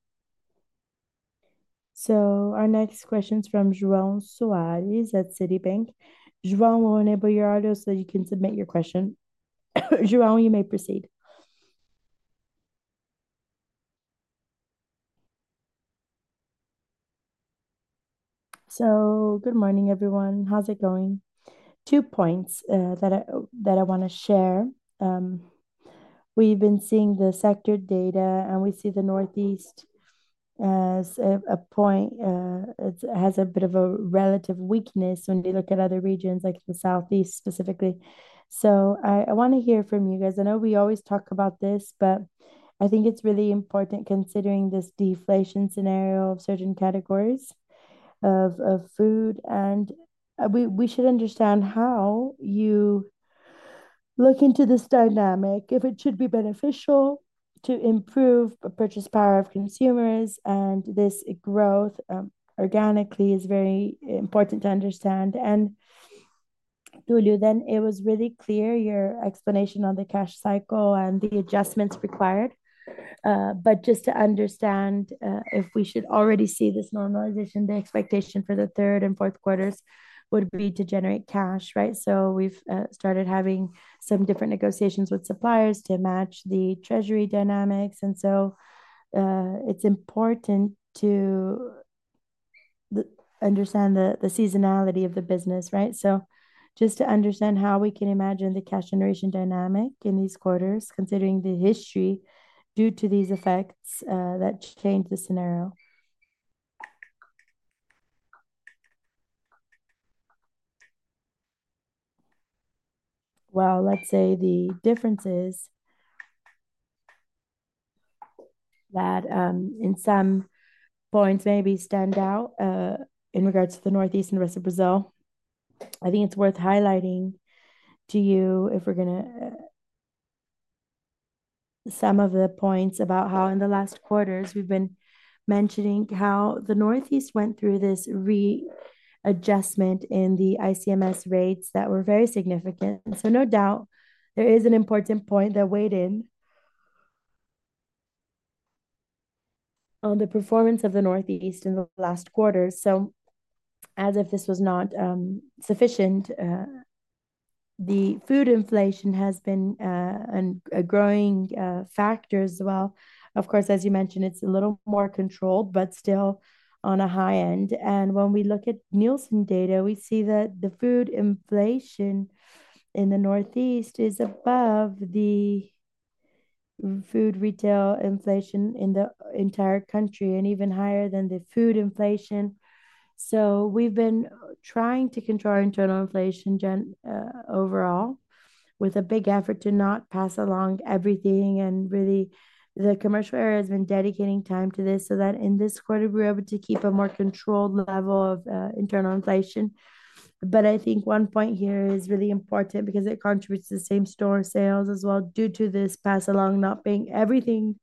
Our next question is from Joao Soares at Citibank. Joao, we'll enable your audio so that you can submit your question. Joao, you may proceed. Good morning, everyone. How's it going? Two points that I want to share. We've been seeing the sector data, and we see the Northeast as a point. It has a bit of a relative weakness when we look at other regions, like the Southeast specifically. I want to hear from you guys. I know we always talk about this, but I think it's really important considering this deflation scenario of certain categories of food. We should understand how you look into this dynamic, if it should be beneficial to improve the purchase power of consumers. This growth organically is very important to understand. Tulio, it was really clear your explanation on the cash cycle and the adjustments required. Just to understand if we should already see this normalization, the expectation for the third and fourth quarters would be to generate cash, right? We've started having some different negotiations with suppliers to match the treasury dynamics. It's important to understand the seasonality of the business, right? Just to understand how we can imagine the cash generation dynamic in these quarters, considering the history due to these effects that change the scenario. The differences that in some points maybe stand out in regards to the Northeast and the rest of Brazil. I think it's worth highlighting to you if we're going to some of the points about how in the last quarters we've been mentioning how the Northeast went through this readjustment in the ICMS rates that were very significant. There is an important point that weighed in on the performance of the Northeast in the last quarters. As if this was not sufficient, the food inflation has been a growing factor as well. Of course, as you mentioned, it's a little more controlled, but still on a high end. When we look at Nielsen data, we see that the food inflation in the Northeast is above the food retail inflation in the entire country and even higher than the food inflation. We've been trying to control our internal inflation overall with a big effort to not pass along everything. The commercial area has been dedicating time to this so that in this quarter, we were able to keep a more controlled level of internal inflation. I think one point here is really important because it contributes to the same-store sales as well due to this pass-along not being everything.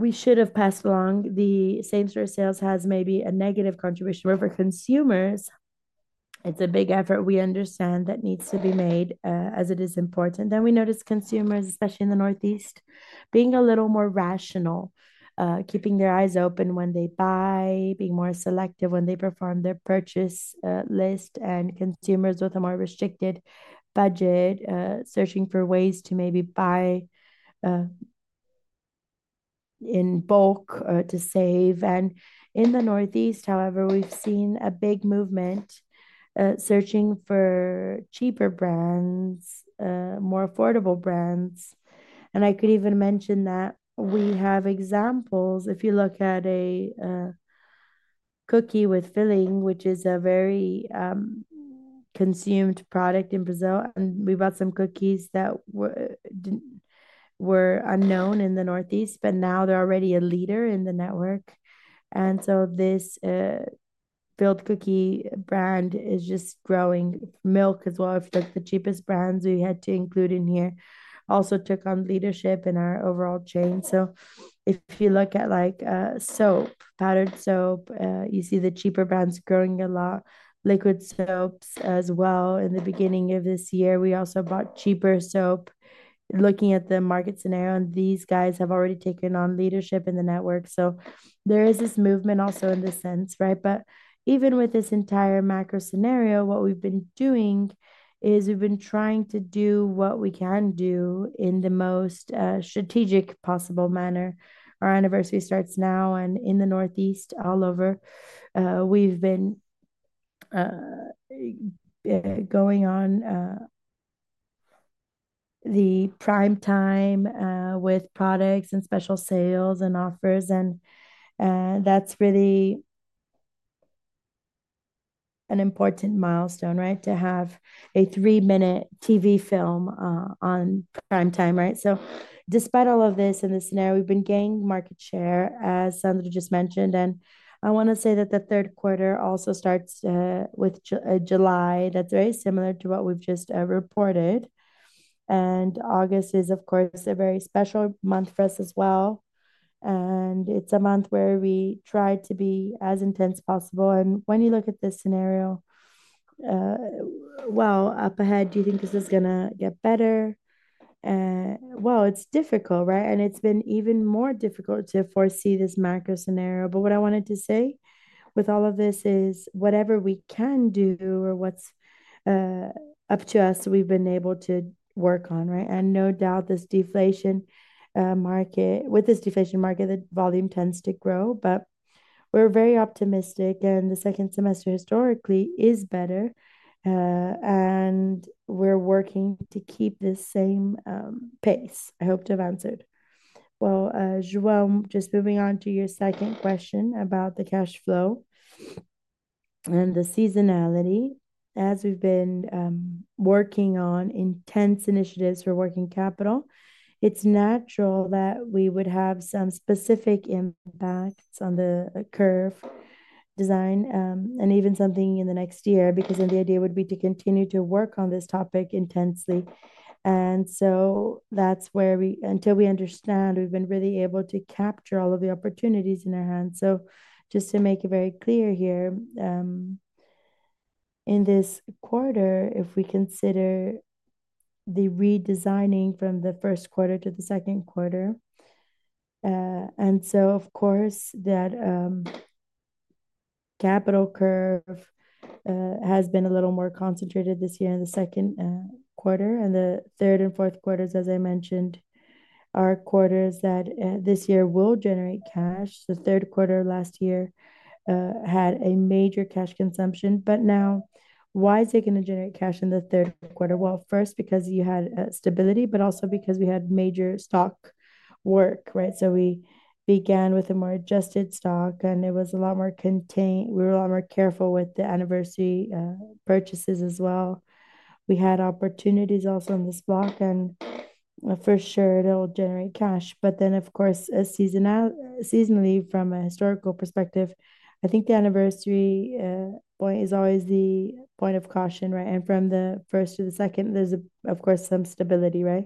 We should have passed along the same-store sales has maybe a negative contribution over consumers. It's a big effort we understand that needs to be made as it is important. We notice consumers, especially in the Northeast, being a little more rational, keeping their eyes open when they buy, being more selective when they perform their purchase list, and consumers with a more restricted budget, searching for ways to maybe buy in bulk to save. In the Northeast, we've seen a big movement searching for cheaper brands, more affordable brands. I could even mention that we have examples. If you look at a cookie with filling, which is a very consumed product in Brazil, and we bought some cookies that were unknown in the Northeast, but now they're already a leader in the network. This Build Cookie brand is just growing. Milk as well, the cheapest brands we had to include in here also took on leadership in our overall chain. If you look at soap, powdered soap, you see the cheaper brands growing a lot. Liquid soaps as well. In the beginning of this year, we also bought cheaper soap. Looking at the market scenario, these guys have already taken on leadership in the network. There is this movement also in this sense, right? Even with this entire macro scenario, what we've been doing is we've been trying to do what we can do in the most strategic possible manner. Our anniversary starts now. In the Northeast, all over, we've been going on the prime time with products and special sales and offers. That's really an important milestone, right, to have a three-minute TV film on prime time, right? Despite all of this in this scenario, we've been gaining market share, as Sandro just mentioned. I want to say that the third quarter also starts with July. That's very similar to what we've just reported. August is, of course, a very special month for us as well. It's a month where we try to be as intense as possible. When you look at this scenario, up ahead, do you think this is going to get better? It's difficult, right? It's been even more difficult to foresee this macro scenario. What I wanted to say with all of this is whatever we can do or what's up to us, we've been able to work on, right? No doubt, with this deflation market, the volume tends to grow. We're very optimistic. The second semester historically is better. We're working to keep this same pace. I hope to have answered. João, just moving on to your second question about the cash flow and the seasonality. As we've been working on intense initiatives for working capital, it's natural that we would have some specific impacts on the curve design and even something in the next year because the idea would be to continue to work on this topic intensely. That's where we, until we understand, we've been really able to capture all of the opportunities in our hands. Just to make it very clear here, in this quarter, if we consider the redesigning from the first quarter to the second quarter, of course, that capital curve has been a little more concentrated this year in the second quarter. The third and fourth quarters, as I mentioned, are quarters that this year will generate cash. The third quarter last year had a major cash consumption. Now, why is it going to generate cash in the third quarter? First, because you had stability, but also because we had major stock work, right? We began with a more adjusted stock, and it was a lot more contained. We were a lot more careful with the anniversary purchases as well. We had opportunities also in this block. For sure, it'll generate cash. Of course, seasonally, from a historical perspective, I think the anniversary point is always the point of caution, right? From the first to the second, there's, of course, some stability, right?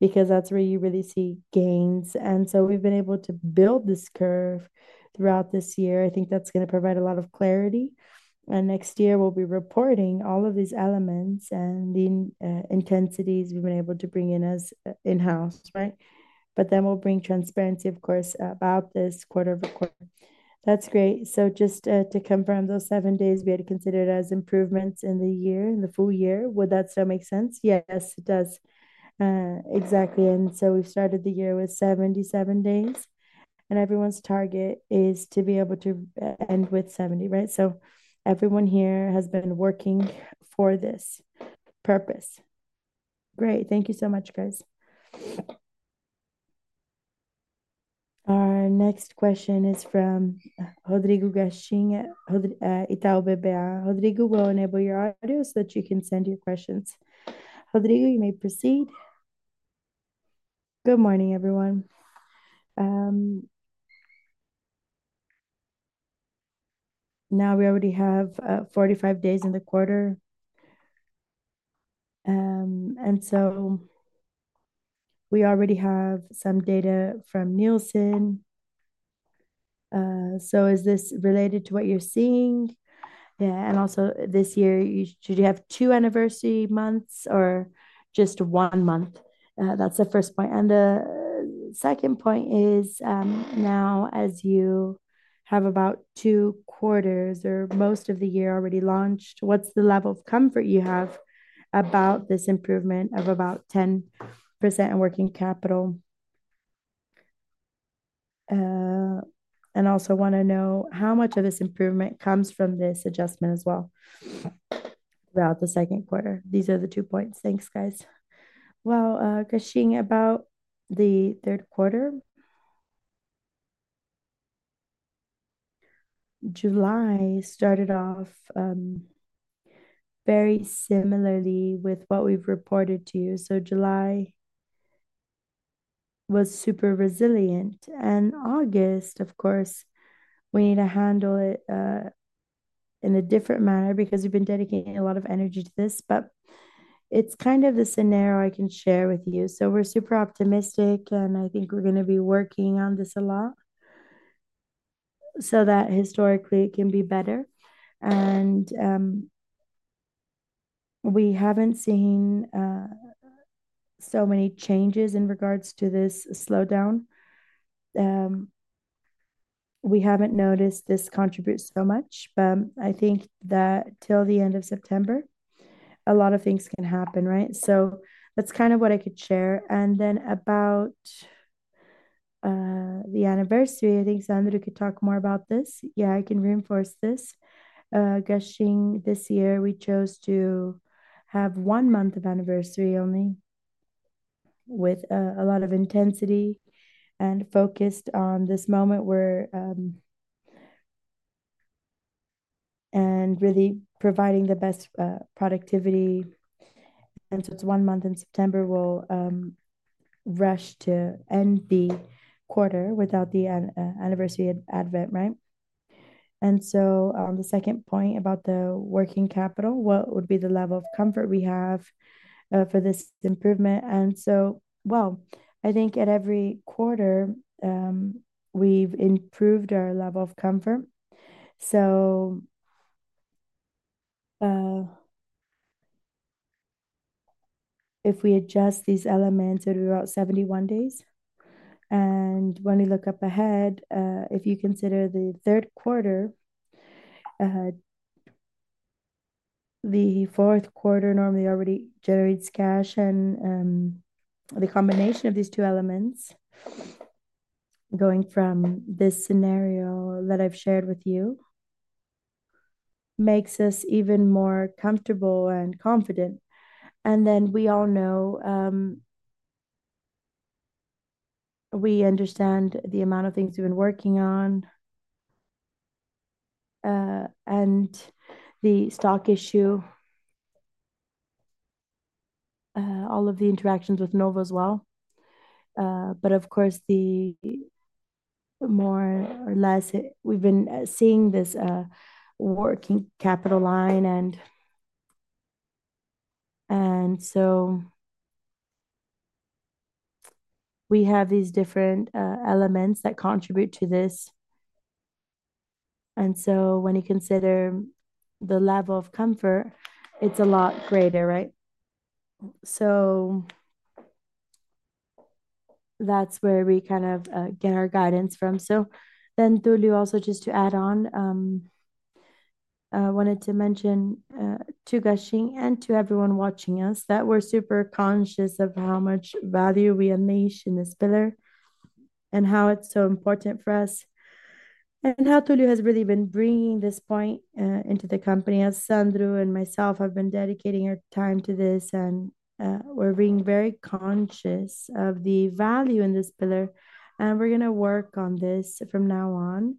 That's where you really see gains. We have been able to build this curve throughout this year. I think that's going to provide a lot of clarity. Next year, we'll be reporting all of these elements and the intensities we've been able to bring in as in-house, right? We will bring transparency, of course, about this quarter over quarter. That's great. Just to confirm, those seven days, we had to consider it as improvements in the year, in the full year. Would that still make sense? Yes, it does. Exactly. We started the year with 77 days, and everyone's target is to be able to end with 70, right? Everyone here has been working for this purpose. Great. Thank you so much, guys. Our next question is from Rodrigo Garcia from Ita´u BBA. Rodrigo, we'll enable your audio so that you can send your questions. Rodrigo, you may proceed. Good morning, everyone. Now we already have 45 days in the quarter, and we already have some data from Nielson. Is this related to what you're seeing? Yeah. Also, this year, should you have two anniversary months or just one month? That's the first point. The second point is now, as you have about two quarters or most of the year already launched, what's the level of comfort you have about this improvement of about 10% in working capital? I also want to know how much of this improvement comes from this adjustment as well throughout the second quarter. These are the two points. Thanks, guys. Garcia, about the third quarter, July started off very similarly with what we've reported to you. July was super resilient. August, of course, we need to handle it in a different manner because we've been dedicating a lot of energy to this. It's kind of the scenario I can share with you. We're super optimistic, and I think we're going to be working on this a lot so that historically it can be better. We haven't seen so many changes in regards to this slowdown. We haven't noticed this contribute so much. I think that till the end of September, a lot of things can happen, right? That's kind of what I could share. About the anniversary, I think Sandro could talk more about this. I can reinforce this. Garcia, this year, we chose to have one month of anniversary only with a lot of intensity and focused on this moment and really providing the best productivity. It's one month in September. We'll rush to end the quarter without the anniversary advent, right? On the second point about the working capital, what would be the level of comfort we have for this improvement? I think at every quarter, we've improved our level of comfort. If we adjust these elements, it would be about 71 days. When we look up ahead, if you consider the third quarter, the fourth quarter normally already generates cash. The combination of these two elements going from this scenario that I've shared with you makes us even more comfortable and confident. We all know we understand the amount of things we've been working on and the stock issue, all of the interactions with Novum as well. Of course, the more or less we've been seeing this working capital line. We have these different elements that contribute to this. When you consider the level of comfort, it's a lot greater, right? That's where we kind of get our guidance from. So, then Tulio, also just to add on, I wanted to mention to Garcia and to everyone watching us that we're super conscious of how much value we unleash in this pillar and how it's so important for us and how Tulio has really been bringing this point into the company. As Sandro and myself have been dedicating our time to this, and we're being very conscious of the value in this pillar. We're going to work on this from now on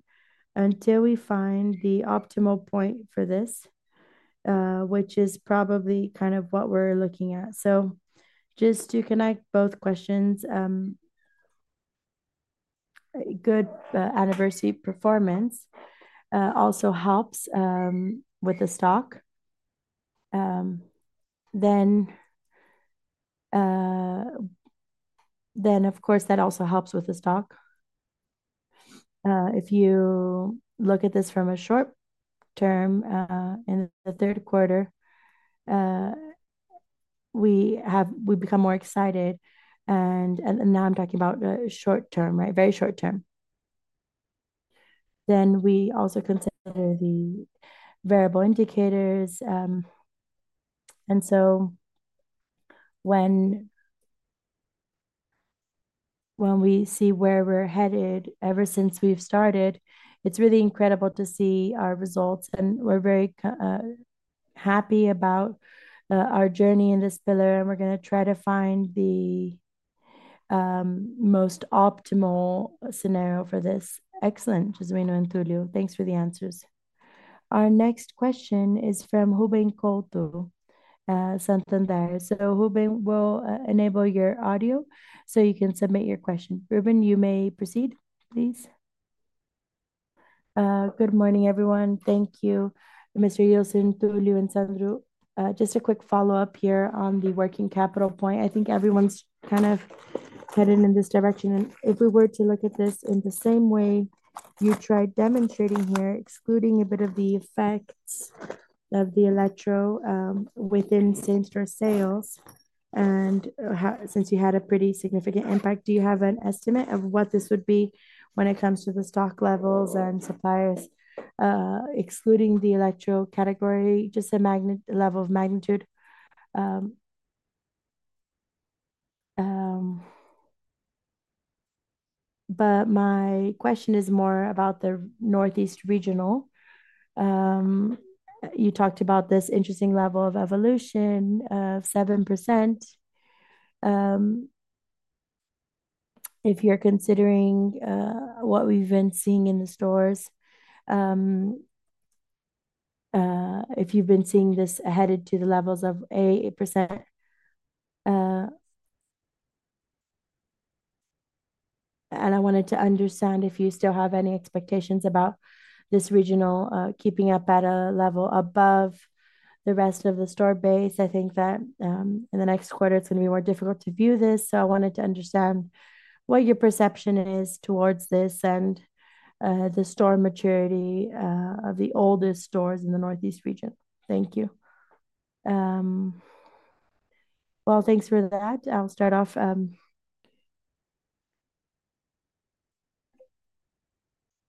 until we find the optimal point for this, which is probably kind of what we're looking at. Just to connect both questions, good anniversary performance also helps with the stock. Of course, that also helps with the stock. If you look at this from a short term, in the third quarter, we become more excited. Now I'm talking about short term, right? Very short term. We also consider the variable indicators. When we see where we're headed ever since we've started, it's really incredible to see our results. We're very happy about our journey in this pillar. We're going to try to find the most optimal scenario for this. Excellent, Jesu´ino and Tulio. Thanks for the answers. Our next question is from Ruben Couto, Santander. Ruben, we'll enable your audio so you can submit your question. Ruben, you may proceed, please. Good morning, everyone. Thank you, Mr. Ilson, Tulio, and Sandro. Just a quick follow-up here on the working capital point. I think everyone's kind of headed in this direction. If we were to look at this in the same way you tried demonstrating here, excluding a bit of the effects of the Eletro within same-store sales, and since you had a pretty significant impact, do you have an estimate of what this would be when it comes to the stock levels and suppliers, excluding the Eletro category, just a level of magnitude? My question is more about the Northeast region. You talked about this interesting level of evolution of 7%. If you're considering what we've been seeing in the stores, if you've been seeing this headed to the levels of 8%, I wanted to understand if you still have any expectations about this region keeping up at a level above the rest of the store base. I think that in the next quarter, it's going to be more difficult to view this. I wanted to understand what your perception is towards this and the store maturity of the oldest stores in the Northeast region. Thank you. Thanks for that. I'll start off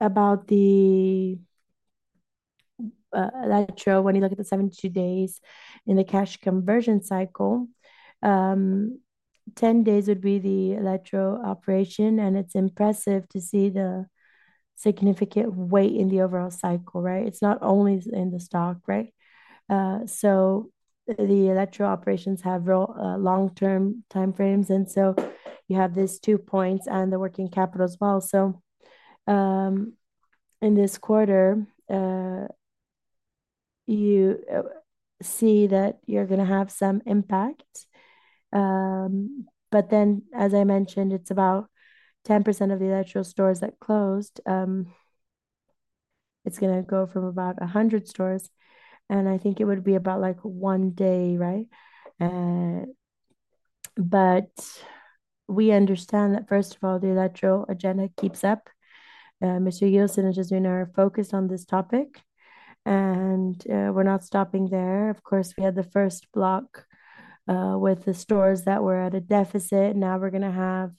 about the Eletro. When you look at the 72 days in the cash conversion cycle, 10 days would be the Eletro operation, and it's impressive to see the significant weight in the overall cycle, right? It's not only in the stock, right? The Eletro operations have long-term time frames, and you have these two points and the working capital as well. In this quarter, you see that you're going to have some impact. As I mentioned, it's about 10% of the actual stores that closed. It's going to go from about 100 stores, and I think it would be about like one day, right? We understand that, first of all, the Eletro agenda keeps up. Mr. Ilson and his unit are focused on this topic, and we're not stopping there. Of course, we had the first block with the stores that were at a deficit. Now we're going to have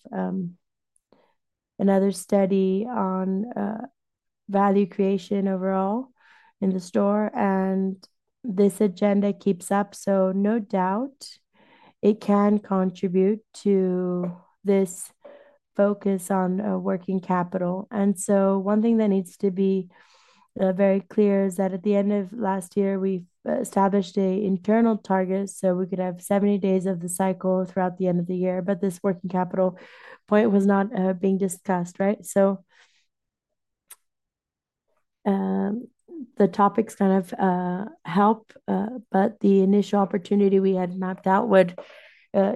another study on value creation overall in the store, and this agenda keeps up. No doubt it can contribute to this focus on working capital. One thing that needs to be very clear is that at the end of last year, we established an internal target so we could have 70 days of the cycle throughout the end of the year. This working capital point was not being discussed, right? The topics kind of help, but the initial opportunity we had mapped out would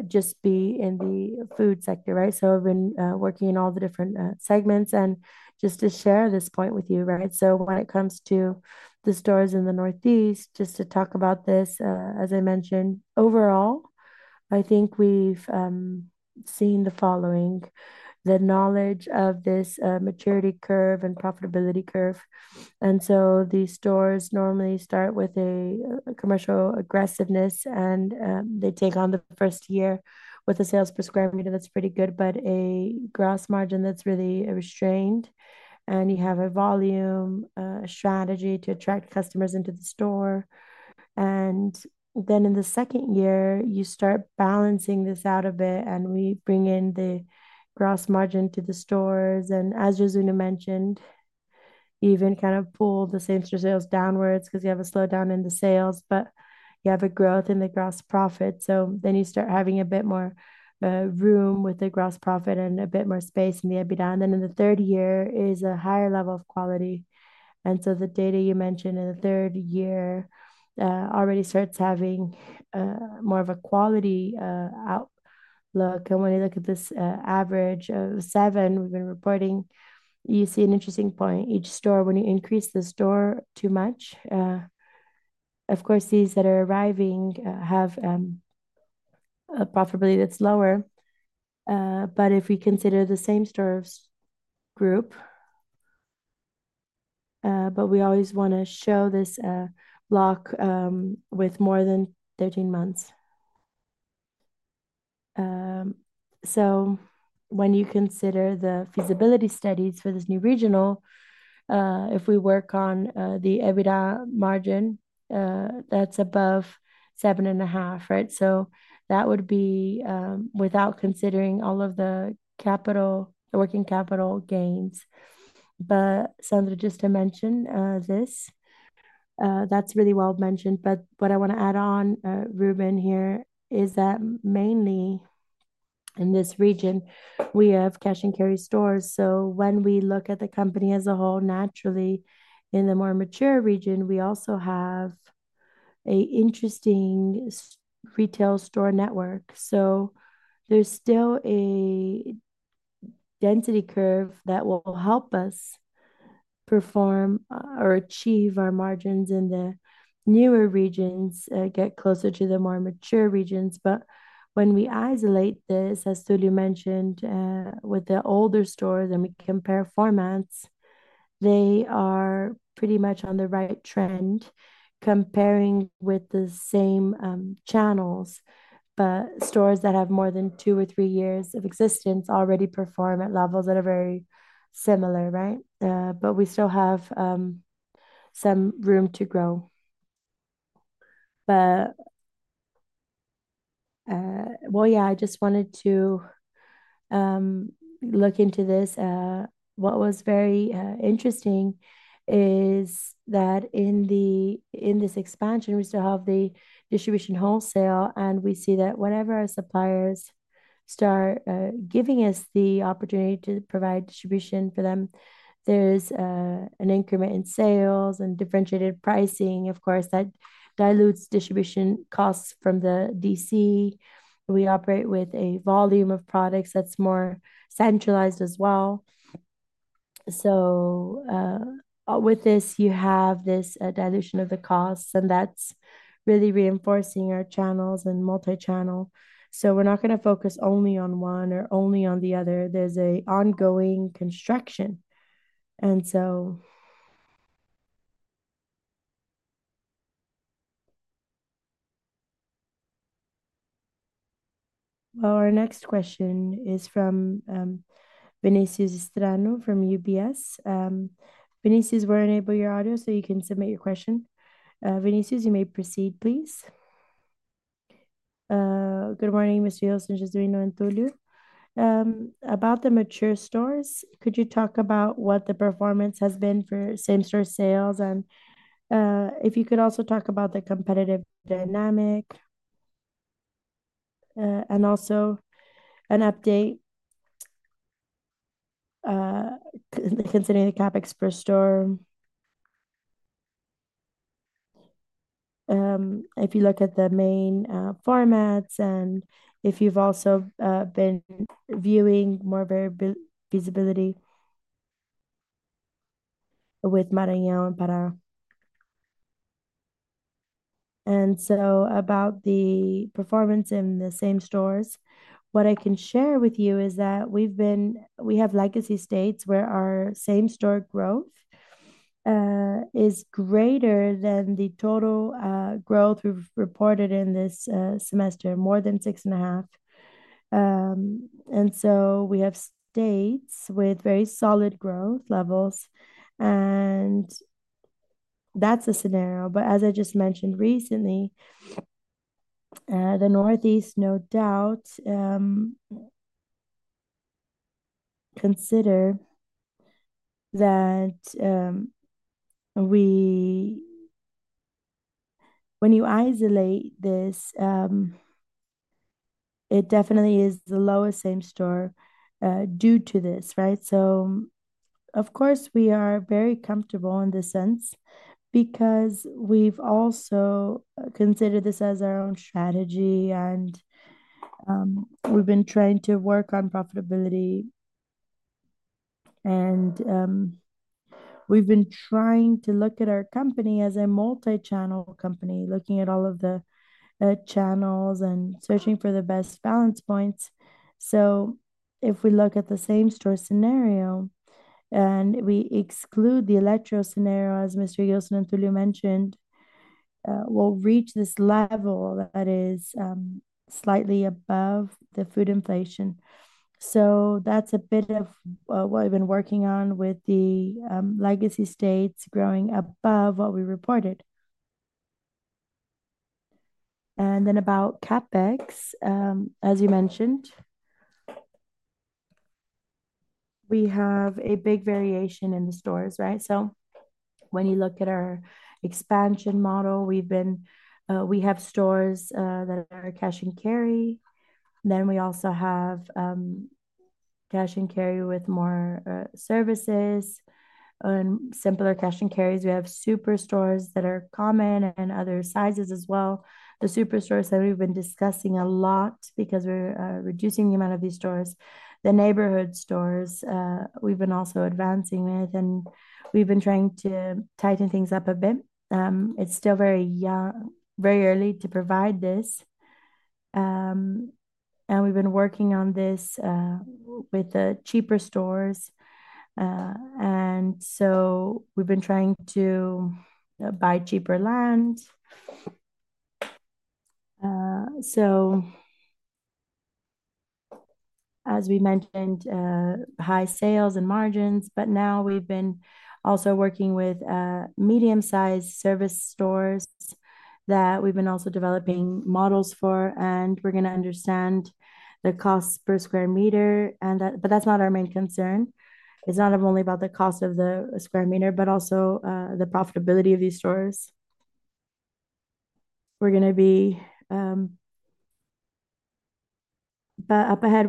just be in the food sector, right? I've been working in all the different segments and just to share this point with you, right? When it comes to the stores in the Northeast, just to talk about this, as I mentioned, overall, I think we've seen the following: the knowledge of this maturity curve and profitability curve. These stores normally start with a commercial aggressiveness, and they take on the first year with a sales prescribing that's pretty good, but a gross margin that's really restrained. You have a volume strategy to attract customers into the store. In the second year, you start balancing this out a bit, and we bring in the gross margin to the stores. As Jesu´ino mentioned, even kind of pull the same sales downwards because you have a slowdown in the sales, but you have a growth in the gross profit. Then you start having a bit more room with the gross profit and a bit more space in the EBITDA. In the third year, there is a higher level of quality. The data you mentioned in the third year already starts having more of a quality outlook. When you look at this average of seven we've been reporting, you see an interesting point. Each store, when you increase the store too much, of course, these that are arriving have a profitability that's lower. If we consider the same stores' group, we always want to show this block with more than 13 months. When you consider the feasibility studies for this new regional, if we work on the EBITDA margin, that's above 7.5%, right? That would be without considering all of the capital, the working capital gains. Sandro, just to mention this, that's really well mentioned. What I want to add on, Ruben, here is that mainly in this region, we have cash and carry stores. When we look at the company as a whole, naturally, in the more mature region, we also have an interesting retail store network. There's still a density curve that will help us perform or achieve our margins in the newer regions, get closer to the more mature regions. When we isolate this, as Tulio mentioned, with the older stores and we compare formats, they are pretty much on the right trend comparing with the same channels. Stores that have more than two or three years of existence already perform at levels that are very similar, right? We still have some room to grow. I just wanted to look into this. What was very interesting is that in this expansion, we still have the distribution wholesale, and we see that whenever our suppliers start giving us the opportunity to provide distribution for them, there's an increment in sales and differentiated pricing, of course, that dilutes distribution costs from the DC. We operate with a volume of products that's more centralized as well. With this, you have this dilution of the costs, and that's really reinforcing our channels and multi-channel. We're not going to focus only on one or only on the other. There's an ongoing construction. Our next question is from Vinicius Strano from UBS. Vinicius, we'll enable your audio so you can submit your question. Vinicius, you may proceed, please. Good morning, Mr. Ilson and Jesu´ino and Tulio. About the mature stores, could you talk about what the performance has been for same-store sales? If you could also talk about the competitive dynamic and also an update considering the CapEx per store. If you look at the main formats and if you've also been viewing more variable feasibility with Maranhão and Pará. About the performance in the same stores, what I can share with you is that we've been, we have legacy states where our same-store growth is greater than the total growth we've reported in this semester, more than 6.5%. We have states with very solid growth levels, and that's a scenario. As I just mentioned recently, the Northeast, no doubt, consider that when you isolate this, it definitely is the lowest same store due to this, right? We are very comfortable in this sense because we've also considered this as our own strategy, and we've been trying to work on profitability. We've been trying to look at our company as a multi-channel company, looking at all of the channels and searching for the best balance points. If we look at the same-store scenario and we exclude the Eletro scenario, as Mr. Ilson and Tulio mentioned, we'll reach this level that is slightly above the food inflation. That's a bit of what we've been working on with the legacy states growing above what we reported. About CapEx, as you mentioned, we have a big variation in the stores, right? When you look at our expansion model, we have stores that are cash and carry. We also have cash and carry with more services and simpler cash and carries. We have superstores that are common and other sizes as well. The superstores that we've been discussing a lot because we're reducing the amount of these stores, the neighborhood stores we've been also advancing with, and we've been trying to tighten things up a bit. It's still very young, very early to provide this. We've been working on this with the cheaper stores, and we've been trying to buy cheaper land. As we mentioned, high sales and margins. Now we've been also working with medium-sized service stores that we've been also developing models for, and we're going to understand the cost per square meter. That's not our main concern. It's not only about the cost of the square meter, but also the profitability of these stores. We're going to be, up ahead,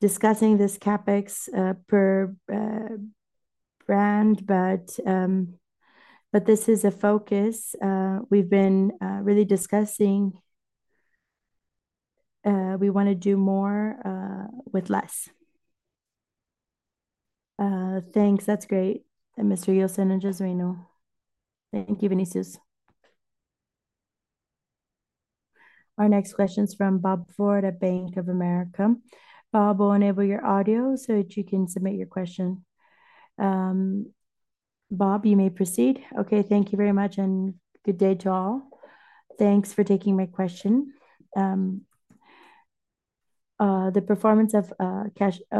discussing this CapEx per brand. This is a focus we've been really discussing. We want to do more with less. Thanks. That's great, Mr. Ilson and Jesu´ino. Thank you, Vinicius. Our next question is from Bob Ford at Bank of America. Bob, we'll enable your audio so that you can submit your question. Bob, you may proceed. Okay. Thank you very much, and good day to all. Thanks for taking my question. The performance of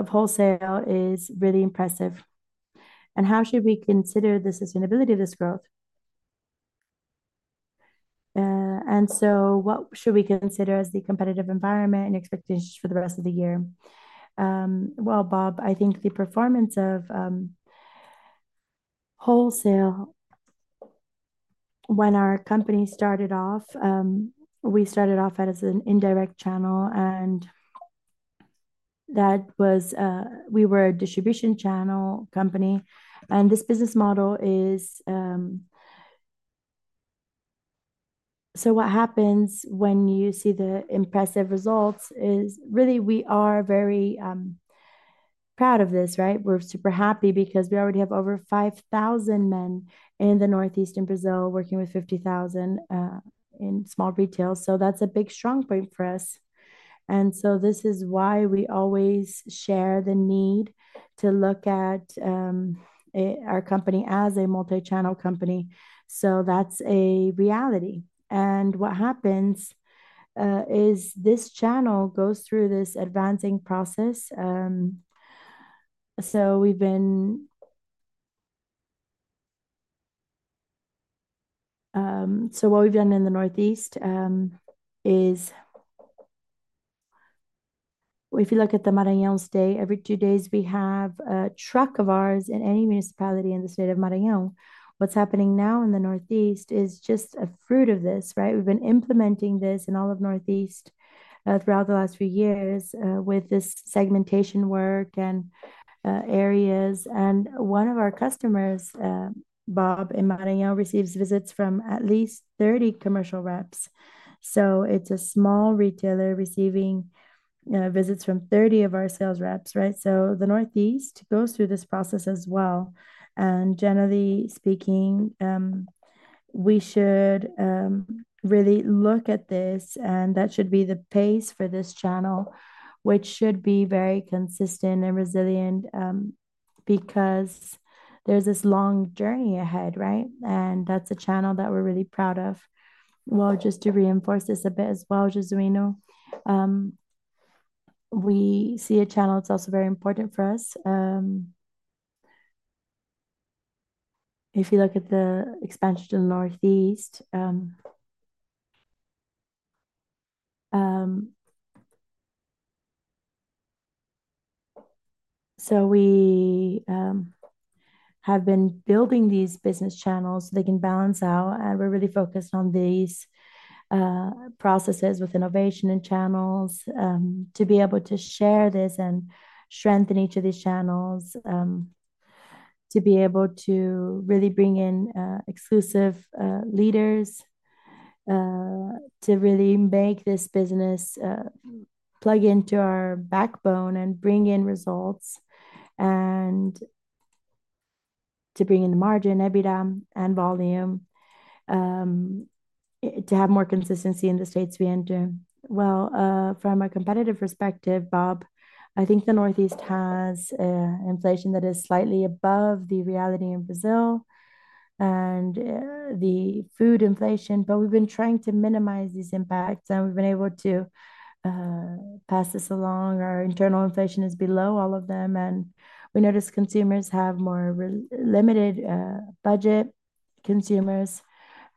wholesale is really impressive. How should we consider the sustainability of this growth? What should we consider as the competitive environment and expectations for the rest of the year? Bob, I think the performance of wholesale, when our company started off, we started off as an indirect channel, and that was we were a distribution channel company. This business model is, so what happens when you see the impressive results is really we are very proud of this, right? We're super happy because we already have over 5,000 men in the Northeast working with 50,000 in small retail. That's a big strong point for us. This is why we always share the need to look at our company as a multi-channel company. That's a reality. What happens is this channel goes through this advancing process. What we've done in the Northeast is if you look at the Maranhão state, every two days we have a truck of ours in any municipality in the state of Maranhão. What's happening now in the Northeast is just a fruit of this, right? We've been implementing this in all of the Northeast throughout the last few years with this segmentation work and areas. One of our customers, Bob, in Maranhão receives visits from at least 30 commercial reps. It's a small retailer receiving visits from 30 of our sales reps, right? The Northeast goes through this process as well. Generally speaking, we should really look at this, and that should be the pace for this channel, which should be very consistent and resilient because there's this long journey ahead, right? That's a channel that we're really proud of. Just to reinforce this a bit as well, we see a channel that's also very important for us. If you look at the expansion to the Northeast, we have been building these business channels so they can balance out. We're really focused on these processes with innovation and channels to be able to share this and strengthen each of these channels to be able to really bring in exclusive leaders to really make this business plug into our backbone and bring in results and to bring in the margin, EBITDA, and volume to have more consistency in the states we enter. From a competitive perspective, I think the Northeast has inflation that is slightly above the reality in Brazil and the food inflation. We've been trying to minimize these impacts, and we've been able to pass this along. Our internal inflation is below all of them. We noticed consumers have more limited budget. Consumers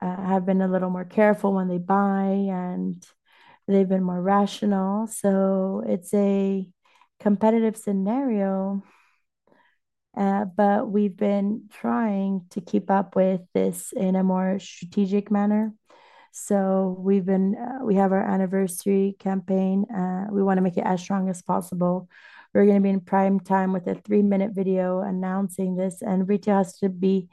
have been a little more careful when they buy, and they've been more rational. It's a competitive scenario, but we've been trying to keep up with this in a more strategic manner. We have our anniversary campaign. We want to make it as strong as possible. We're going to be in prime time with a three-minute video announcing this. Retail has to be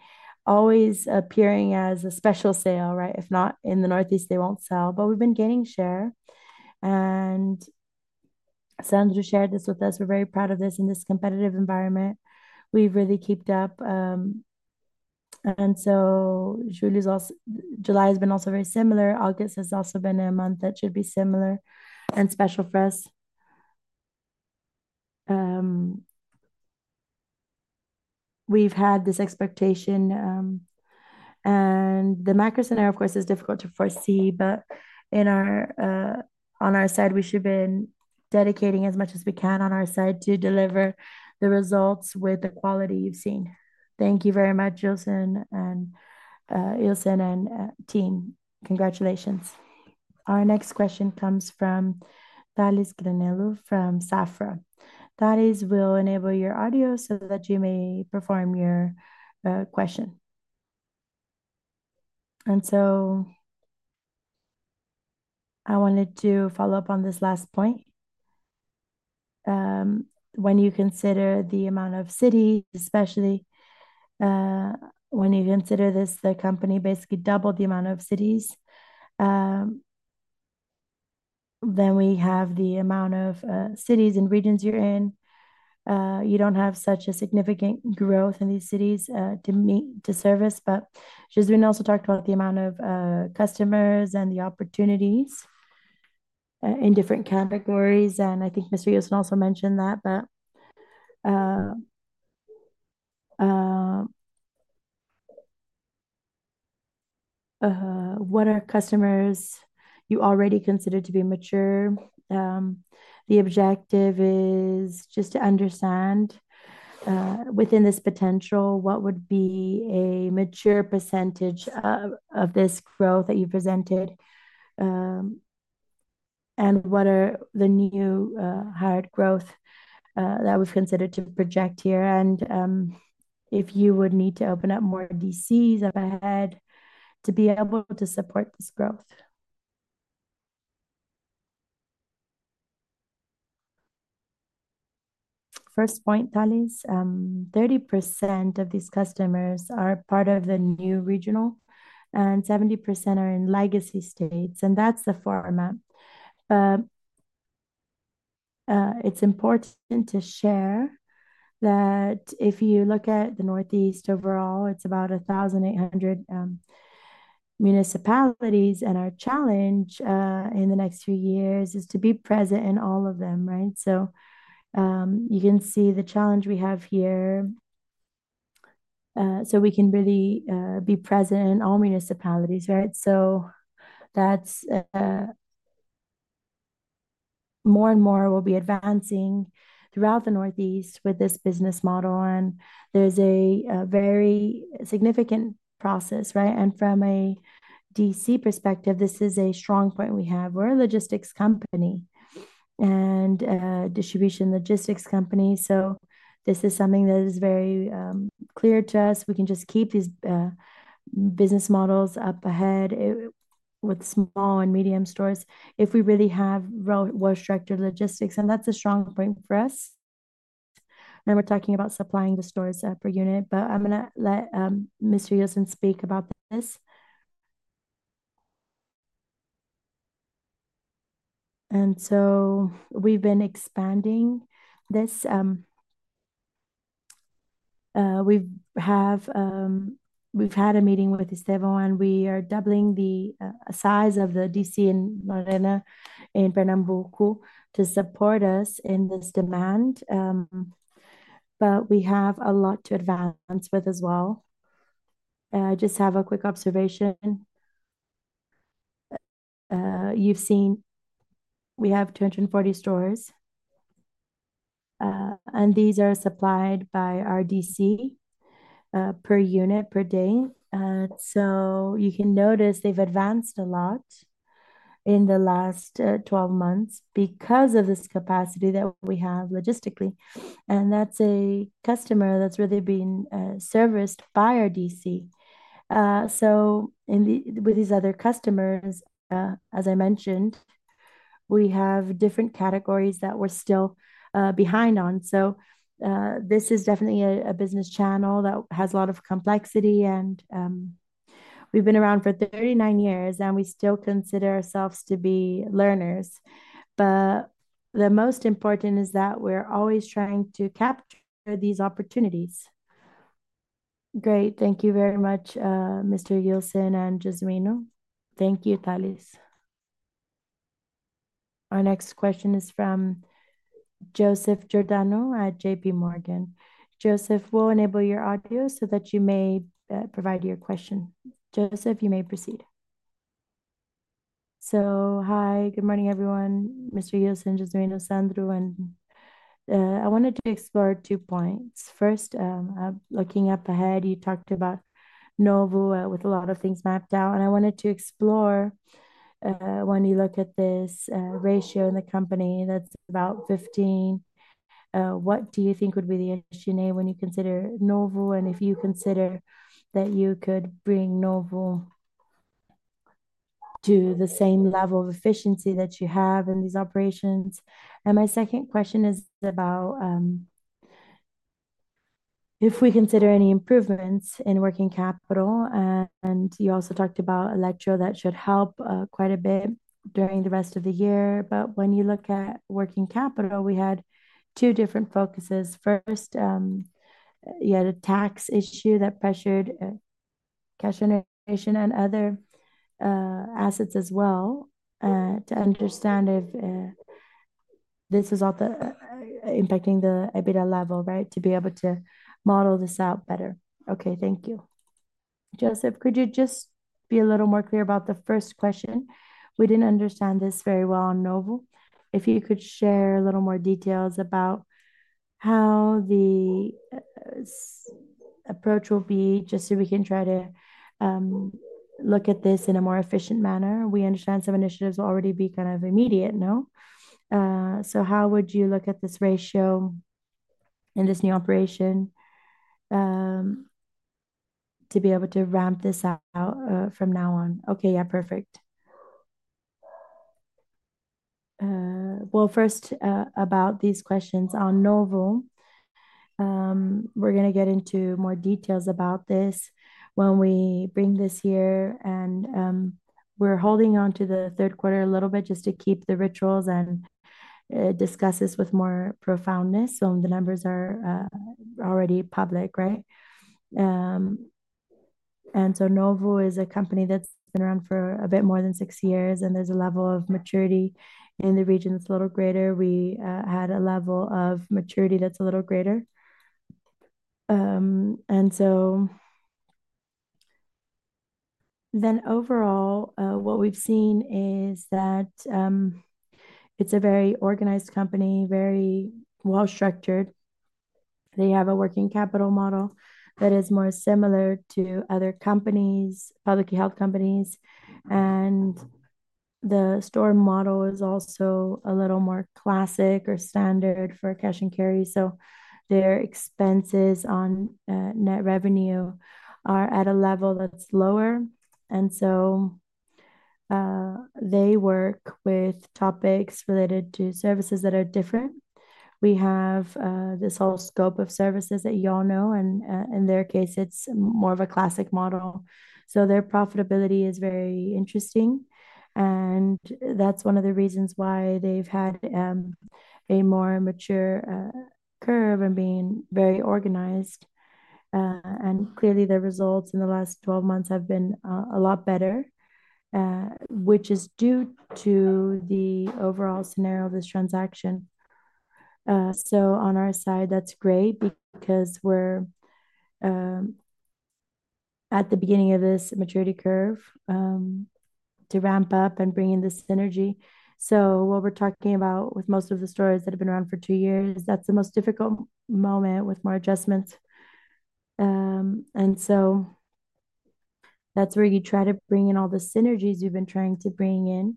always appearing as a special sale, right? If not in the Northeast, they won't sell. We've been gaining share. Sandra shared this with us. We're very proud of this in this competitive environment. We've really kept up. July has been also very similar. August has also been a month that should be similar and special for us. We've had this expectation. The macro scenario, of course, is difficult to foresee. On our side, we should have been dedicating as much as we can on our side to deliver the results with the quality you've seen. Thank you very much, Ilson and team. Congratulations. Our next question comes from Tales Granello from Safra. Thales, we'll enable your audio so that you may perform your question. I wanted to follow up on this last point. When you consider the amount of cities, especially when you consider this, the company basically doubled the amount of cities. Then we have the amount of cities and regions you're in. You don't have such a significant growth in these cities to meet to service. Jesu´ino also talked about the amount of customers and the opportunities in different categories. I think Mr. Ilson also mentioned that. What are customers you already consider to be mature? The objective is just to understand within this potential, what would be a mature % of this growth that you presented? What are the new hard growth that was considered to project here? If you would need to open up more DCs up ahead to be able to support this growth. First point, Tales, 30% of these customers are part of the new regional, and 70% are in legacy states. That's the format. It's important to share that if you look at the Northeast overall, it's about 1,800 municipalities. Our challenge in the next few years is to be present in all of them, right? You can see the challenge we have here. We can really be present in all municipalities, right? More and more will be advancing throughout the Northeast with this business model. There's a very significant process, right? From a DC perspective, this is a strong point we have. We're a logistics company and a distribution logistics company. This is something that is very clear to us. We can just keep these business models up ahead with small and medium stores if we really have well-structured logistics. That's a strong point for us. Now we're talking about supplying the stores per unit, but I'm going to let Mr. Ilson speak about this. We've been expanding this. We've had a meeting with Estevão, and we are doubling the size of the DC in Marana in Pernambuco to support us in this demand. We have a lot to advance with as well. I just have a quick observation. You've seen we have 240 stores, and these are supplied by RDC per unit per day. You can notice they've advanced a lot in the last 12 months because of this capacity that we have logistically. That's a customer that's really been serviced by RDC. With these other customers, as I mentioned, we have different categories that we're still behind on. This is definitely a business channel that has a lot of complexity. We've been around for 39 years, and we still consider ourselves to be learners. The most important is that we're always trying to capture these opportunities. Great. Thank you very much, Mr. Ilson and Jesu´ino. Thank you, Tales. Our next question is from Joseph Giordano at JPMorgan. Joseph, we'll enable your audio so that you may provide your question. Joseph, you may proceed. Hi. Good morning, everyone. Mr. Ilson, Jesu´ino, Sandro, I wanted to explore two points. First, looking up ahead, you talked about Novo with a lot of things mapped out. I wanted to explore when you look at this ratio in the company that's about 15. What do you think would be the issue when you consider Novo Atacarejo and if you consider that you could bring Novo to the same level of efficiency that you have in these operations? My second question is about if we consider any improvements in working capital. You also talked about Eletro that should help quite a bit during the rest of the year. When you look at working capital, we had two different focuses. First, you had a tax issue that pressured cash and other assets as well. I want to understand if this is all impacting the EBITDA level, right, to be able to model this out better. Thank you. Joseph, could you just be a little more clear about the first question? We didn't understand this very well on Novo. If you could share a little more details about how the approach will be, just so we can try to look at this in a more efficient manner. We understand some initiatives will already be kind of immediate, no? How would you look at this ratio in this new operation to be able to ramp this out from now on? Perfect. First, about these questions on Novo, we're going to get into more details about this when we bring this here. We're holding on to the third quarter a little bit just to keep the rituals and discuss this with more profoundness. The numbers are already public, right? Novo is a company that's been around for a bit more than six years, and there's a level of maturity in the region that's a little greater. We had a level of maturity that's a little greater. Overall, what we've seen is that it's a very organized company, very well-structured. They have a working capital model that is more similar to other companies, public health companies. The store model is also a little more classic or standard for cash and carry. Their expenses on net revenue are at a level that's lower. They work with topics related to services that are different. We have this whole scope of services that you all know. In their case, it's more of a classic model. Their profitability is very interesting, and that's one of the reasons why they've had a more mature curve and been very organized. Clearly, their results in the last 12 months have been a lot better, which is due to the overall scenario of this transaction. On our side, that's great because we're at the beginning of this maturity curve to ramp up and bring in this synergy. What we're talking about with most of the stores that have been around for two years, that's the most difficult moment with more adjustments. That's where you try to bring in all the synergies you've been trying to bring in.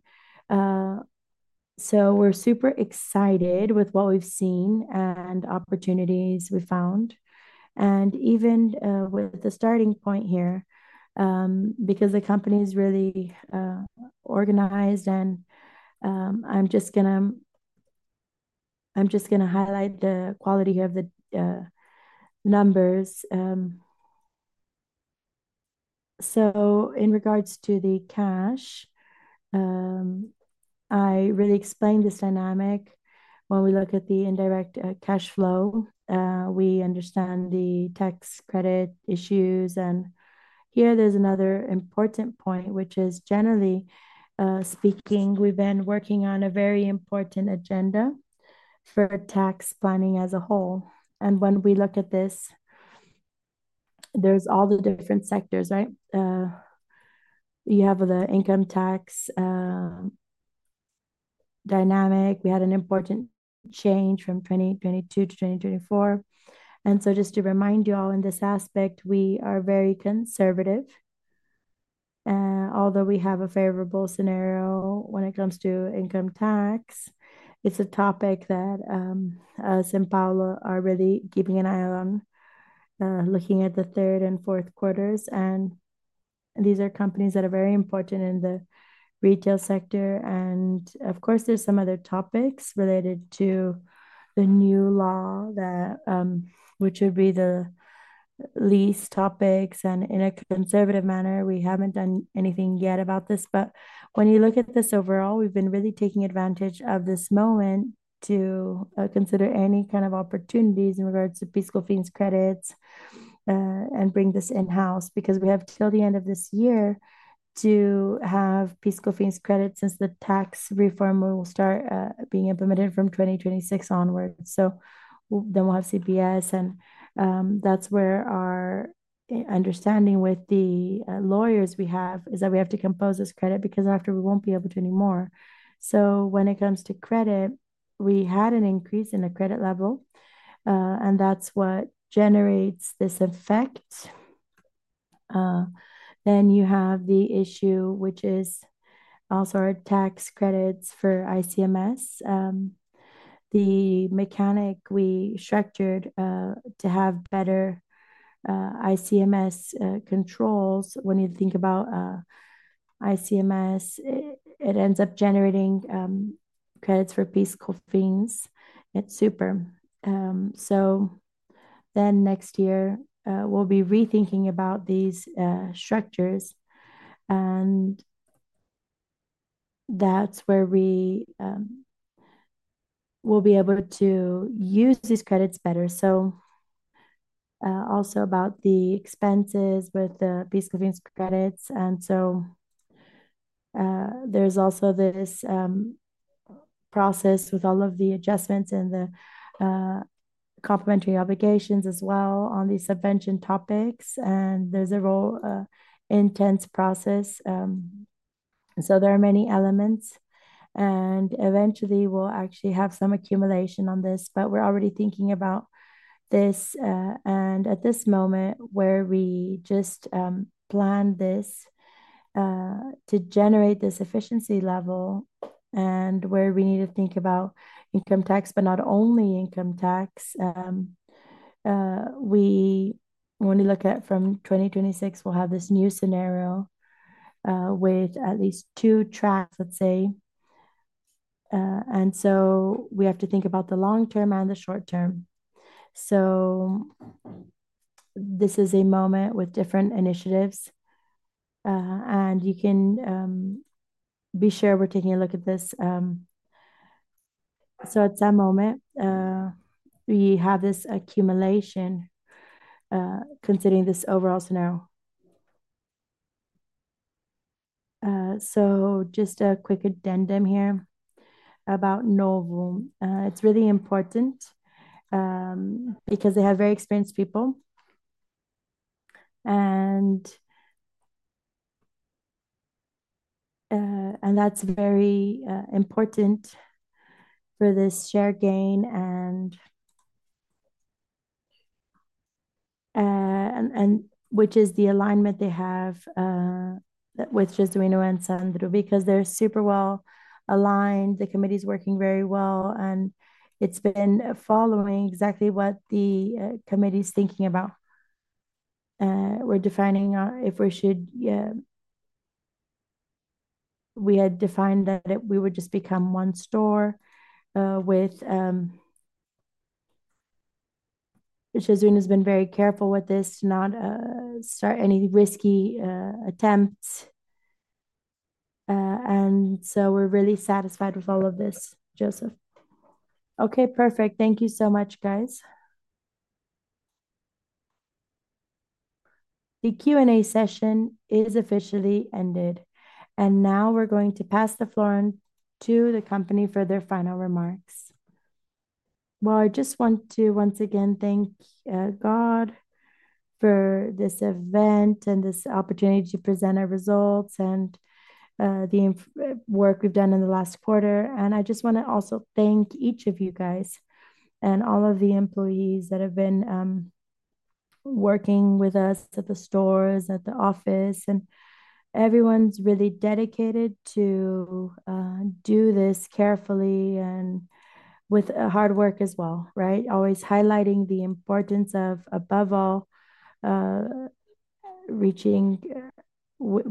We're super excited with what we've seen and opportunities we found, even with the starting point here, because the company is really organized. I'm just going to highlight the quality of the numbers. In regards to the cash, I really explained this dynamic when we look at the indirect cash flow. We understand the tax credit issues. Here there's another important point, which is generally speaking, we've been working on a very important agenda for tax planning as a whole. When we look at this, there's all the different sectors, right? You have the income tax dynamic. We had an important change from 2022 to 2024. Just to remind you all in this aspect, we are very conservative. Although we have a favorable scenario when it comes to income tax, it's a topic that São Paulo are really keeping an eye on, looking at the third and fourth quarters. These are companies that are very important in the retail sector. Of course, there's some other topics related to the new law, which would be the least topics. In a conservative manner, we haven't done anything yet about this. When you look at this overall, we've been really taking advantage of this moment to consider any kind of opportunities in regards to fiscal fees credits and bring this in-house because we have till the end of this year to have fiscal fees credits since the tax reform will start being implemented from 2026 onward. We'll have CBS, and that's where our understanding with the lawyers we have is that we have to compose this credit because after we won't be able to anymore. When it comes to credit, we had an increase in the credit level, and that's what generates this effect. You have the issue, which is also our tax credits for ICMS. The mechanic we structured is to have better ICMS controls. When you think about ICMS, it ends up generating credits for fiscal fees. It's super. Next year, we'll be rethinking about these structures, and that's where we will be able to use these credits better. Also, about the expenses with the fiscal fees credits, there's also this process with all of the adjustments and the complimentary obligations as well on these subvention topics. There's a real intense process. There are many elements, and eventually, we'll actually have some accumulation on this, but we're already thinking about this. At this moment, we just plan this to generate this efficiency level and where we need to think about income tax, but not only income tax. When we look at from 2026, we'll have this new scenario with at least two tracks, let's say, and we have to think about the long term and the short term. This is a moment with different initiatives, and you can be sure we're taking a look at this. At some moment, we have this accumulation, considering this overall scenario. Just a quick addendum here about Novo Atacarejo. It's really important because they have very experienced people, and that's very important for this share gain, which is the alignment they have with Jesu´ino and Sandro because they're super well aligned. The committee is working very well, and it's been following exactly what the committee is thinking about. We're defining if we should, we had defined that we would just become one store, with Jesu´ino being very careful with this to not start any risky attempts. We're really satisfied with all of this, Joseph. Okay. Perfect. Thank you so much, guys. The Q&A session is officially ended. Now we're going to pass the floor to the company for their final remarks. I just want to once again thank God for this event and this opportunity to present our results and the work we've done in the last quarter. I just want to also thank each of you guys and all of the employees that have been working with us at the stores, at the office. Everyone's really dedicated to do this carefully and with hard work as well, right? Always highlighting the importance of, above all, reaching,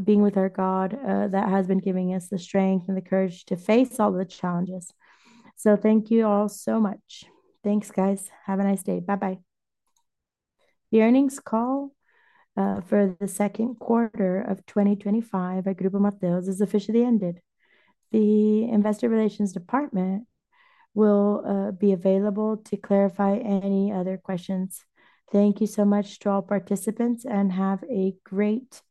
being with our God, that has been giving us the strength and the courage to face all the challenges. Thank you all so much. Thanks, guys. Have a nice day. Bye-bye. The earnings call for the second quarter of 2025 by Grupo Mateus has officially ended. The Investor Relations department will be available to clarify any other questions. Thank you so much to all participants and have a great day.